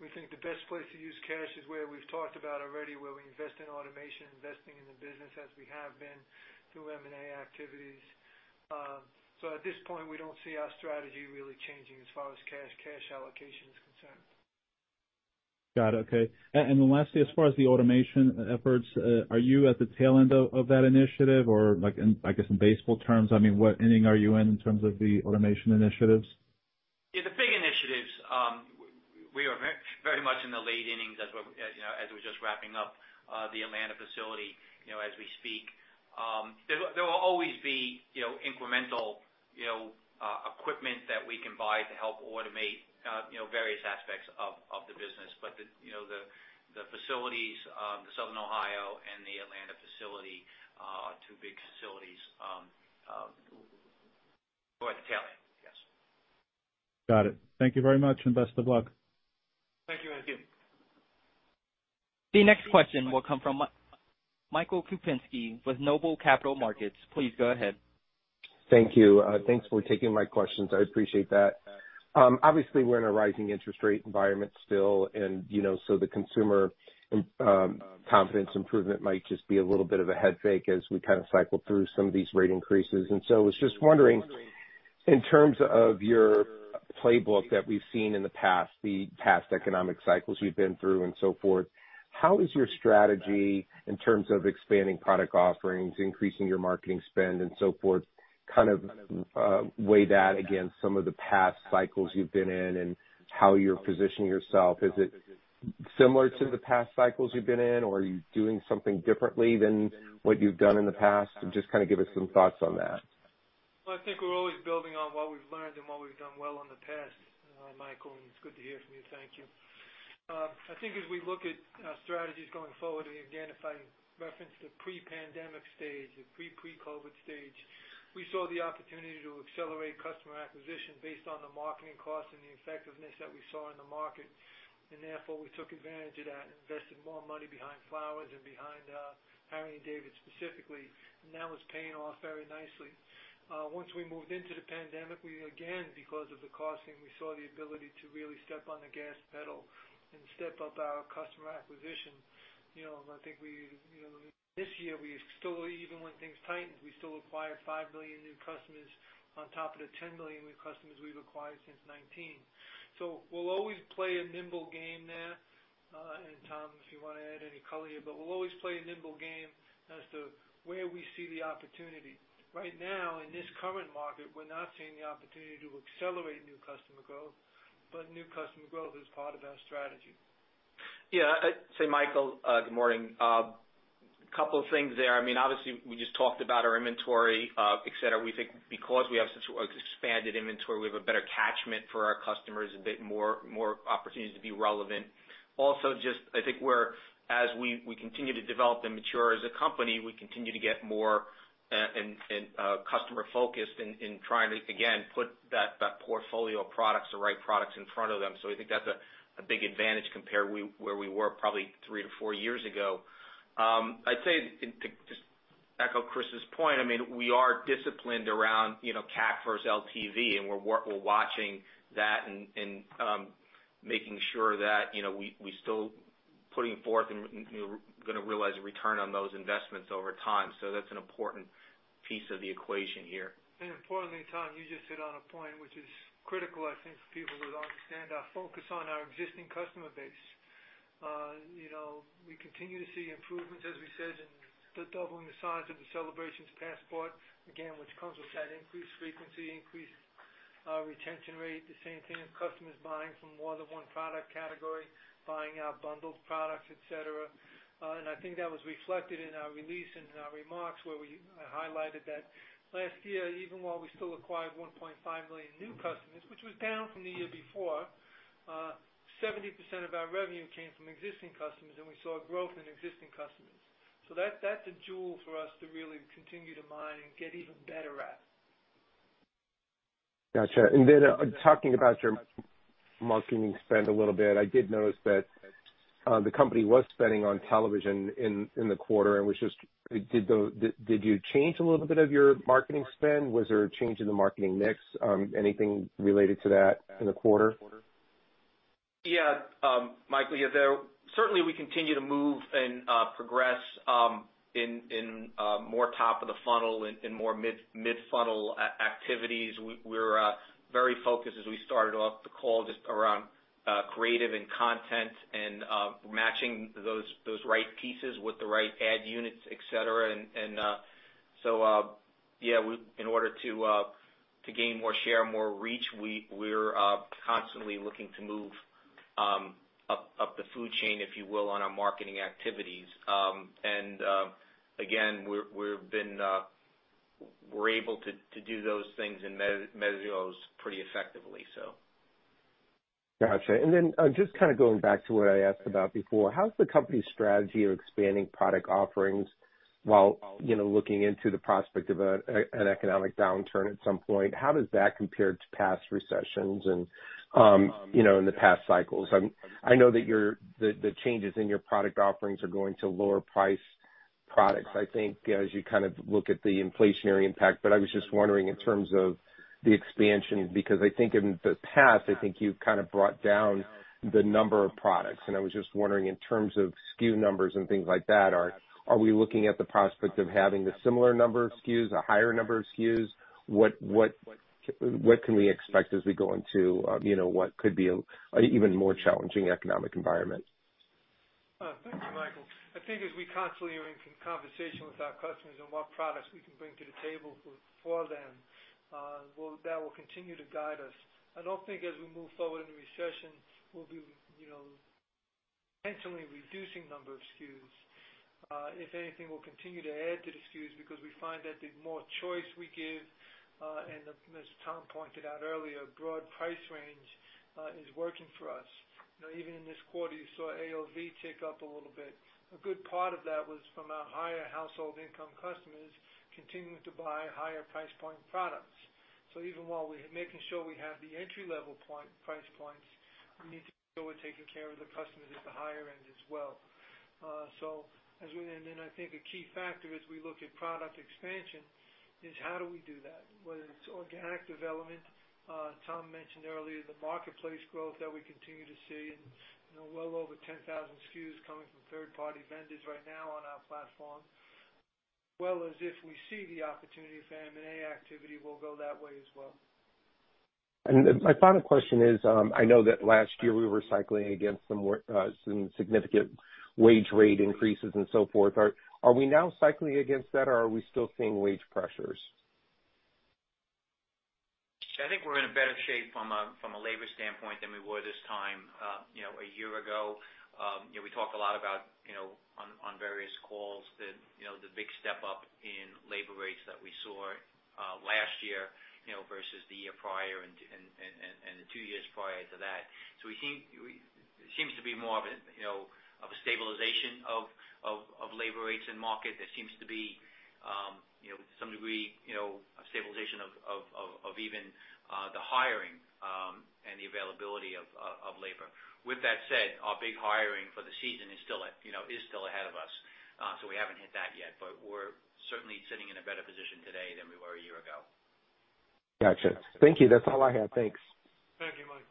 we think the best place to use cash is where we've talked about already, where we invest in automation, investing in the business as we have been through M&A activities. At this point, we don't see our strategy really changing as far as cash allocation is concerned. Got it. Okay. Lastly, as far as the automation efforts, are you at the tail end of that initiative? Or like in, I guess, in baseball terms, I mean, what inning are you in terms of the automation initiatives? Yeah, the big initiatives, we are very much in the late innings as we're just wrapping up the Atlanta facility, you know, as we speak. There will always be, you know, incremental equipment that we can buy to help automate various aspects of the business. But the facilities, the Southern Ohio and the Atlanta facility are two big facilities, we're at the tail end, yes. Got it. Thank you very much, and best of luck. Thank you, Anthony. Thank you. The next question will come from Michael Kupinski with Noble Capital Markets. Please go ahead. Thank you. Thanks for taking my questions. I appreciate that. Obviously, we're in a rising interest rate environment still, and you know, so the consumer confidence improvement might just be a little bit of a head fake as we kind of cycle through some of these rate increases. I was just wondering, in terms of your playbook that we've seen in the past, the past economic cycles you've been through and so forth, how is your strategy in terms of expanding product offerings, increasing your marketing spend and so forth, kind of, weigh that against some of the past cycles you've been in and how you're positioning yourself? Is it similar to the past cycles you've been in, or are you doing something differently than what you've done in the past? Just kind of give us some thoughts on that. Well, I think we're always building on what we've learned and what we've done well in the past, Michael, and it's good to hear from you. Thank you. I think as we look at our strategies going forward, and again, if I reference the pre-pandemic stage, the pre-pre-COVID stage, we saw the opportunity to accelerate customer acquisition based on the marketing costs and the effectiveness that we saw in the market. Therefore, we took advantage of that, invested more money behind flowers and behind, Harry & David specifically. That was paying off very nicely. Once we moved into the pandemic, we again, because of the costing, we saw the ability to really step on the gas pedal and step up our customer acquisition. You know, I think we, you know, this year we still, even when things tightened, we still acquired 5 million new customers on top of the 10 million new customers we've acquired since 2019. We'll always play a nimble game there. Tom, if you wanna add any color here, but we'll always play a nimble game as to where we see the opportunity. Right now, in this current market, we're not seeing the opportunity to accelerate new customer growth, but new customer growth is part of our strategy. Yeah. Say, Michael, good morning. Couple of things there. I mean, obviously, we just talked about our inventory, et cetera. We think because we have such expanded inventory, we have a better catchment for our customers, a bit more opportunities to be relevant. Also, just I think as we continue to develop and mature as a company, we continue to get more and customer-focused in trying to again put that portfolio of products, the right products in front of them. I think that's a big advantage compared where we were probably three to four years ago. I'd say, to just echo Chris's point, I mean, we are disciplined around, you know, CAC versus LTV, and we're watching that and making sure that, you know, we still putting forth and, you know, gonna realize a return on those investments over time. That's an important piece of the equation here. Importantly, Tom, you just hit on a point which is critical, I think, for people to understand our focus on our existing customer base. You know, we continue to see improvements, as we said, in the doubling the size of the Celebrations Passport, again, which comes with that increased frequency, increased retention rate, the same thing as customers buying from more than one product category, buying our bundled products, et cetera. I think that was reflected in our release and in our remarks where we highlighted that last year, even while we still acquired 1.5 million new customers, which was down from the year before, 70% of our revenue came from existing customers, and we saw growth in existing customers. That's a jewel for us to really continue to mine and get even better at. Gotcha. Then talking about your marketing spend a little bit, I did notice that the company was spending on television in the quarter. Did you change a little bit of your marketing spend? Was there a change in the marketing mix? Anything related to that in the quarter? Yeah. Michael, Certainly, we continue to move and progress in more top of the funnel and more mid-funnel activities. We're very focused as we started off the call just around creative and content and matching those right pieces with the right ad units, et cetera. In order to gain more share, more reach, we're constantly looking to move up the food chain, if you will, on our marketing activities. Again, we've been able to do those things and measure those pretty effectively, so. Got you. Just kind of going back to what I asked about before, how's the company's strategy of expanding product offerings while looking into the prospect of an economic downturn at some point? How does that compare to past recessions and in the past cycles? I know that the changes in your product offerings are going to lower price products. I think as you kind of look at the inflationary impact. I was just wondering in terms of the expansion, because I think in the past, I think you've kind of brought down the number of products, and I was just wondering in terms of SKU numbers and things like that, are we looking at the prospect of having a similar number of SKUs, a higher number of SKUs? What can we expect as we go into, you know, what could be an even more challenging economic environment? Thank you, Michael. I think as we constantly are in conversation with our customers on what products we can bring to the table for them, that will continue to guide us. I don't think as we move forward in the recession, we'll be, you know, intentionally reducing number of SKUs. If anything, we'll continue to add to the SKUs because we find that the more choice we give, and as Tom pointed out earlier, broad price range is working for us. You know, even in this quarter, you saw AOV tick up a little bit. A good part of that was from our higher household income customers continuing to buy higher price point products. Even while we're making sure we have the entry level point, price points, we need to go and taking care of the customers at the higher end as well. And then I think a key factor as we look at product expansion is how do we do that, whether it's organic development, Tom mentioned earlier, the marketplace growth that we continue to see and, you know, well over 10,000 SKUs coming from third-party vendors right now on our platform. As if we see the opportunity for M&A activity, we'll go that way as well. My final question is, I know that last year we were cycling against some more, some significant wage rate increases and so forth. Are we now cycling against that or are we still seeing wage pressures? I think we're in a better shape from a labor standpoint than we were this time, you know, a year ago. You know, we talk a lot about, you know, on various calls, you know, the big step up in labor rates that we saw, last year, you know, versus the year prior and the two years prior to that. We think it seems to be more of a, you know, stabilization of labor rates in market. There seems to be, you know, to some degree, you know, a stabilization of even the hiring and the availability of labor. With that said, our big hiring for the season is still, you know, ahead of us. We haven't hit that yet, but we're certainly sitting in a better position today than we were a year ago. Got you. Thank you. That's all I have. Thanks. Thank you, Mike.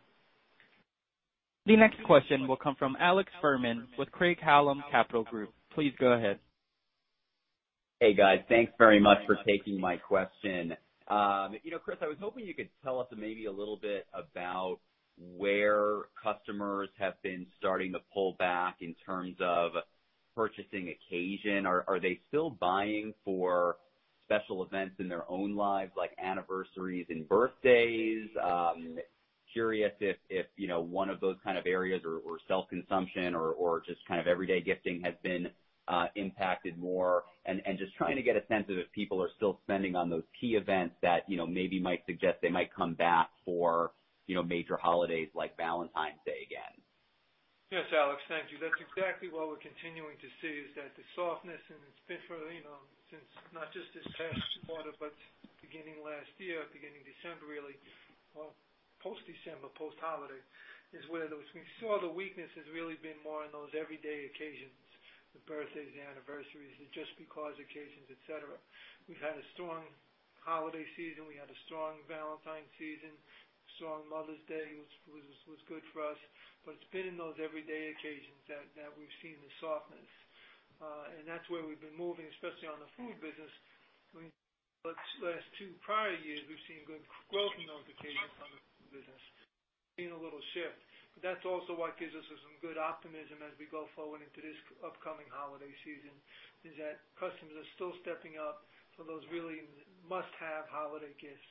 The next question will come from Alex Fuhrman with Craig-Hallum Capital Group. Please go ahead. Hey, guys. Thanks very much for taking my question. You know, Chris, I was hoping you could tell us maybe a little bit about where customers have been starting to pull back in terms of purchasing occasion. Are they still buying for special events in their own lives, like anniversaries and birthdays? Curious if you know, one of those kind of areas or self-consumption or just kind of everyday gifting has been impacted more. Just trying to get a sense of if people are still spending on those key events that you know, maybe might suggest they might come back for you know, major holidays like Valentine's Day again. Yes, Alex, thank you. That's exactly what we're continuing to see, is that the softness, and it's been for, you know, since not just this past quarter, but beginning last year, beginning December, really. Well, post-December, post-holiday is where we saw the weakness has really been more on those everyday occasions, the birthdays, the anniversaries, the just-because occasions, et cetera. We've had a strong holiday season, we had a strong Valentine's season, strong Mother's Day, which was good for us. It's been in those everyday occasions that we've seen the softness. And that's where we've been moving, especially on the food business. Last two prior years, we've seen good growth in those occasions on the business. Seeing a little shift, but that's also what gives us some good optimism as we go forward into this upcoming holiday season, is that customers are still stepping up for those really must-have holiday gifts.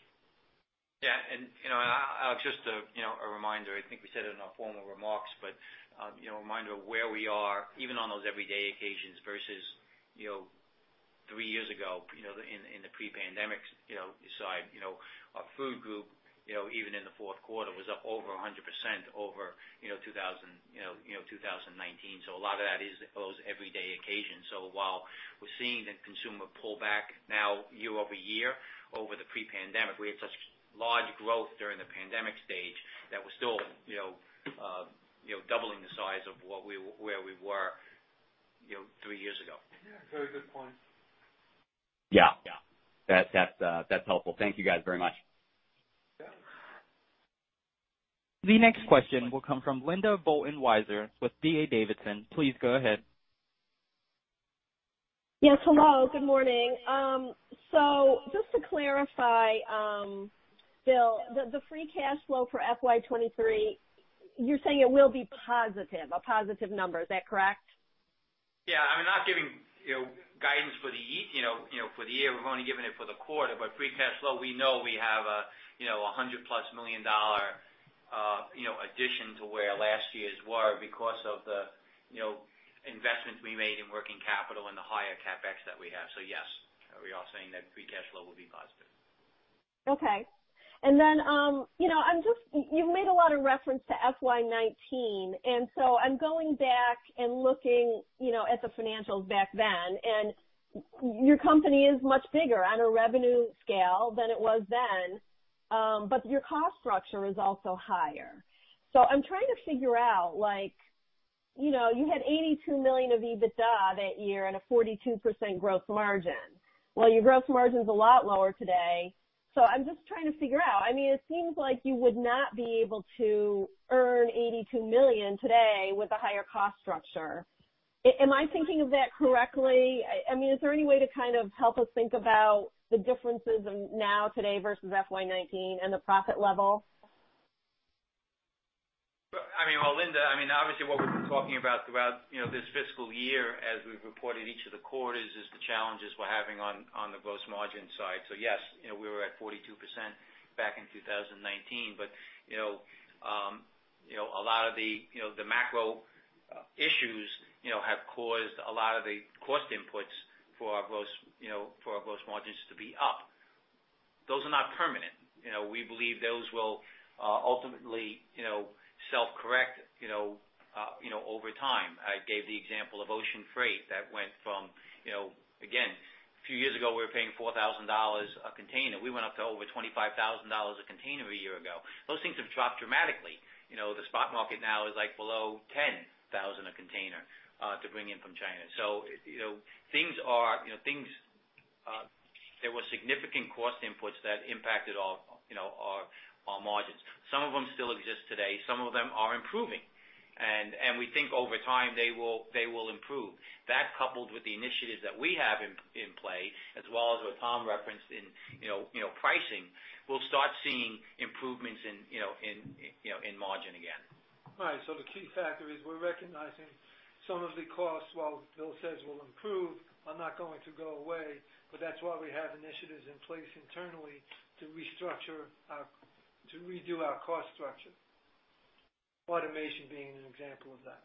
Yeah. You know, Alex, just a reminder, I think we said it in our formal remarks, but you know, a reminder of where we are even on those everyday occasions versus three years ago, you know, in the pre-pandemic side. You know, our food group, you know, even in the fourth quarter was up over 100% over 2019. So a lot of that is those everyday occasions. So while we're seeing the consumer pull back now year-over-year over the pre-pandemic, we had such large growth during the pandemic stage that we're still, you know, doubling the size of where we were three years ago. Yeah. Very good point. Yeah. Yeah. That's helpful. Thank you, guys, very much. Yeah. The next question will come from Linda Bolton-Weiser with D.A. Davidson. Please go ahead. Yes. Hello, good morning. Just to clarify, Bill, the free cash flow for FY 23, you're saying it will be positive, a positive number. Is that correct? Yeah. I'm not giving, you know, guidance for the year. We're only giving it for the quarter. Free cash flow, we know we have a, you know, $100+ million addition to where last year's were because of the, you know, investments we made in working capital and the higher CapEx that we have. Yes, we are saying that free cash flow will be positive. Okay. You've made a lot of reference to FY 2019, so I'm going back and looking, you know, at the financials back then. Your company is much bigger on a revenue scale than it was then, but your cost structure is also higher. I'm trying to figure out, like, you know, you had $82 million of EBITDA that year and a 42% gross margin. Well, your gross margin's a lot lower today, so I'm just trying to figure out. I mean, it seems like you would not be able to earn $82 million today with the higher cost structure. Am I thinking of that correctly? I mean, is there any way to kind of help us think about the differences of now today versus FY 2019 and the profit level? Well, I mean, Well, Linda, I mean, obviously what we've been talking about throughout, you know, this fiscal year, as we've reported each of the quarters, is the challenges we're having on the gross margin side. Yes, you know, we were at 42% back in 2019. But, you know, a lot of the, you know, the macro issues, you know, have caused a lot of the cost inputs for our gross margins to be up. Those are not permanent. You know, we believe those will ultimately, you know, self-correct, you know, over time. I gave the example of ocean freight that went from, you know, again, a few years ago, we were paying $4,000 a container. We went up to over $25,000 a container a year ago. Those things have dropped dramatically. You know, the spot market now is like below $10,000 a container to bring in from China. You know, things are. You know, there were significant cost inputs that impacted our, you know, margins. Some of them still exist today, some of them are improving. We think over time, they will improve. That coupled with the initiatives that we have in play as well as what Tom referenced in pricing, we'll start seeing improvements in margin again. Right. The key factor is we're recognizing some of the costs, while Bill says will improve, are not going to go away. That's why we have initiatives in place internally to redo our cost structure. Automation being an example of that.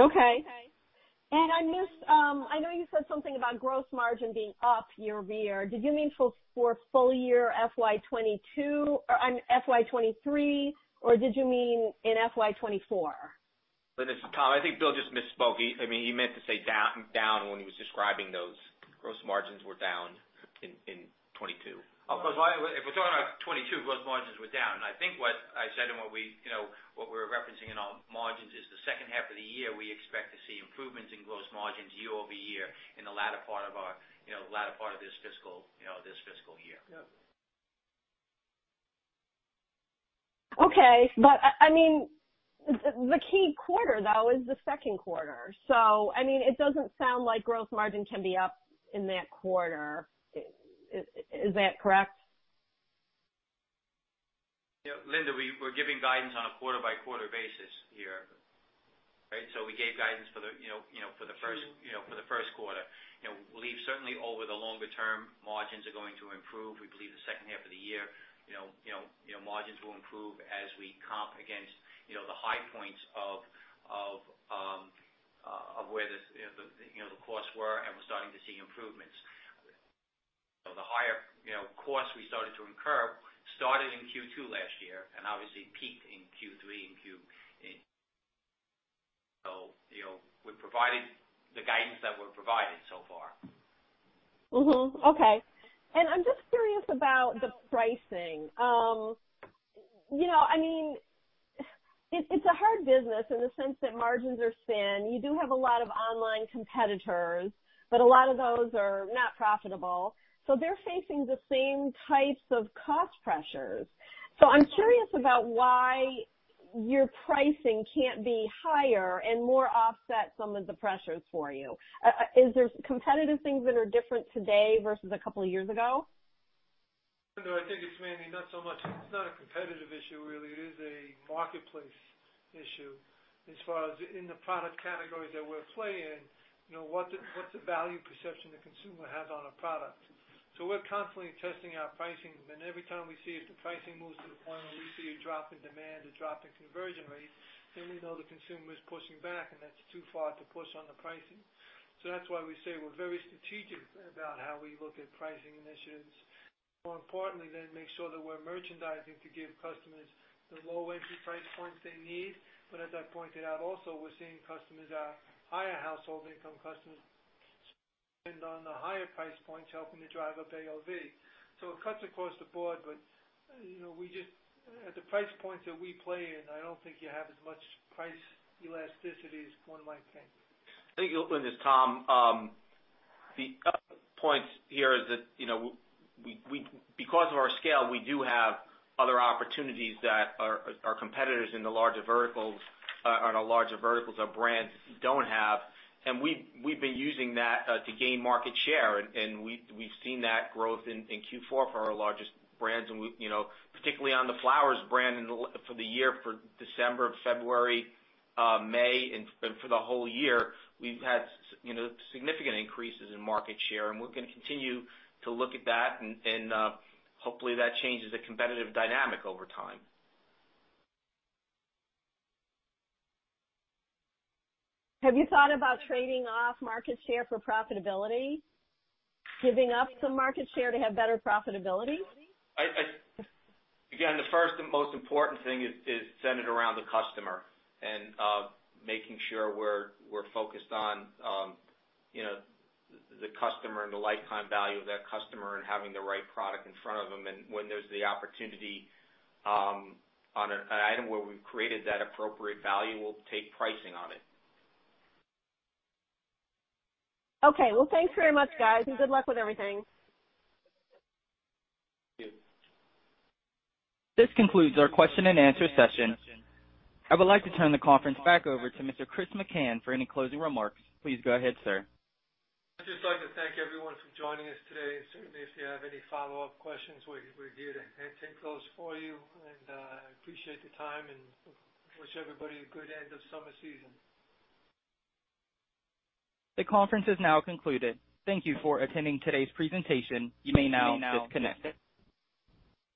Okay. I missed. I know you said something about gross margin being up year-over-year. Did you mean for full year FY 2022 or FY 2023, or did you mean in FY 2024? Linda, this is Tom. I think Bill just misspoke. I mean, he meant to say down when he was describing those gross margins were down in 22. Oh, for FY 2022, if we're talking about 2022, gross margins were down. I think what I said and what we, you know, are referencing in our margins is the second half of the year. We expect to see improvements in gross margins year-over-year in the latter part of this fiscal year. Yeah. Okay. I mean, the key quarter though is the second quarter. I mean, it doesn't sound like gross margin can be up in that quarter. Is that correct? Yeah, Linda, we're giving guidance on a quarter by quarter basis here, right? We gave guidance for the first quarter. We believe certainly over the longer term, margins are going to improve. We believe the second half of the year, margins will improve as we comp against the high points of where the costs were, and we're starting to see improvements. The higher costs we started to incur started in Q2 last year and obviously peaked in Q3 and Q4. We provided the guidance that we're providing so far. Mm-hmm. Okay. I'm just curious about the pricing. You know, I mean, it's a hard business in the sense that margins are thin. You do have a lot of online competitors, but a lot of those are not profitable, so they're facing the same types of cost pressures. I'm curious about why your pricing can't be higher and more offset some of the pressures for you. Is there competitive things that are different today versus a couple of years ago? No, I think it's mainly not so much. It's not a competitive issue really. It is a marketplace issue as far as in the product categories that we play in, you know, what's the value perception the consumer has on a product. We're constantly testing our pricing, and every time we see if the pricing moves to the point where we see a drop in demand, a drop in conversion rate, then we know the consumer is pushing back, and that's too far to push on the pricing. That's why we say we're very strategic about how we look at pricing initiatives. More importantly, make sure that we're merchandising to give customers the low entry price points they need. As I pointed out also, we're seeing customers, our higher household income customers spend on the higher price points, helping to drive up AOV. It cuts across the board, but, you know, at the price points that we play in, I don't think you have as much price elasticity as one might think. I think you open this, Tom. The other points here is that, you know, because of our scale, we do have other opportunities that our competitors in the larger verticals or on larger verticals or brands don't have. We've been using that to gain market share, and we've seen that growth in Q4 for our largest brands. We, you know, particularly on the Flowers brand for the year, for December, February, May, and for the whole year, we've had significant increases in market share, and we're gonna continue to look at that, and hopefully, that changes the competitive dynamic over time. Have you thought about trading off market share for profitability? Giving up some market share to have better profitability? Again, the first and most important thing is centered around the customer and making sure we're focused on you know, the customer and the lifetime value of that customer and having the right product in front of them. When there's the opportunity on an item where we've created that appropriate value, we'll take pricing on it. Okay. Well, thanks very much, guys, and good luck with everything. Thank you. This concludes our question and answer session. I would like to turn the conference back over to Mr. Chris McCann for any closing remarks. Please go ahead, sir. I'd just like to thank everyone for joining us today. Certainly, if you have any follow-up questions, we're here to handle those for you. I appreciate the time and wish everybody a good end of summer season. The conference is now concluded. Thank you for attending today's presentation. You may now disconnect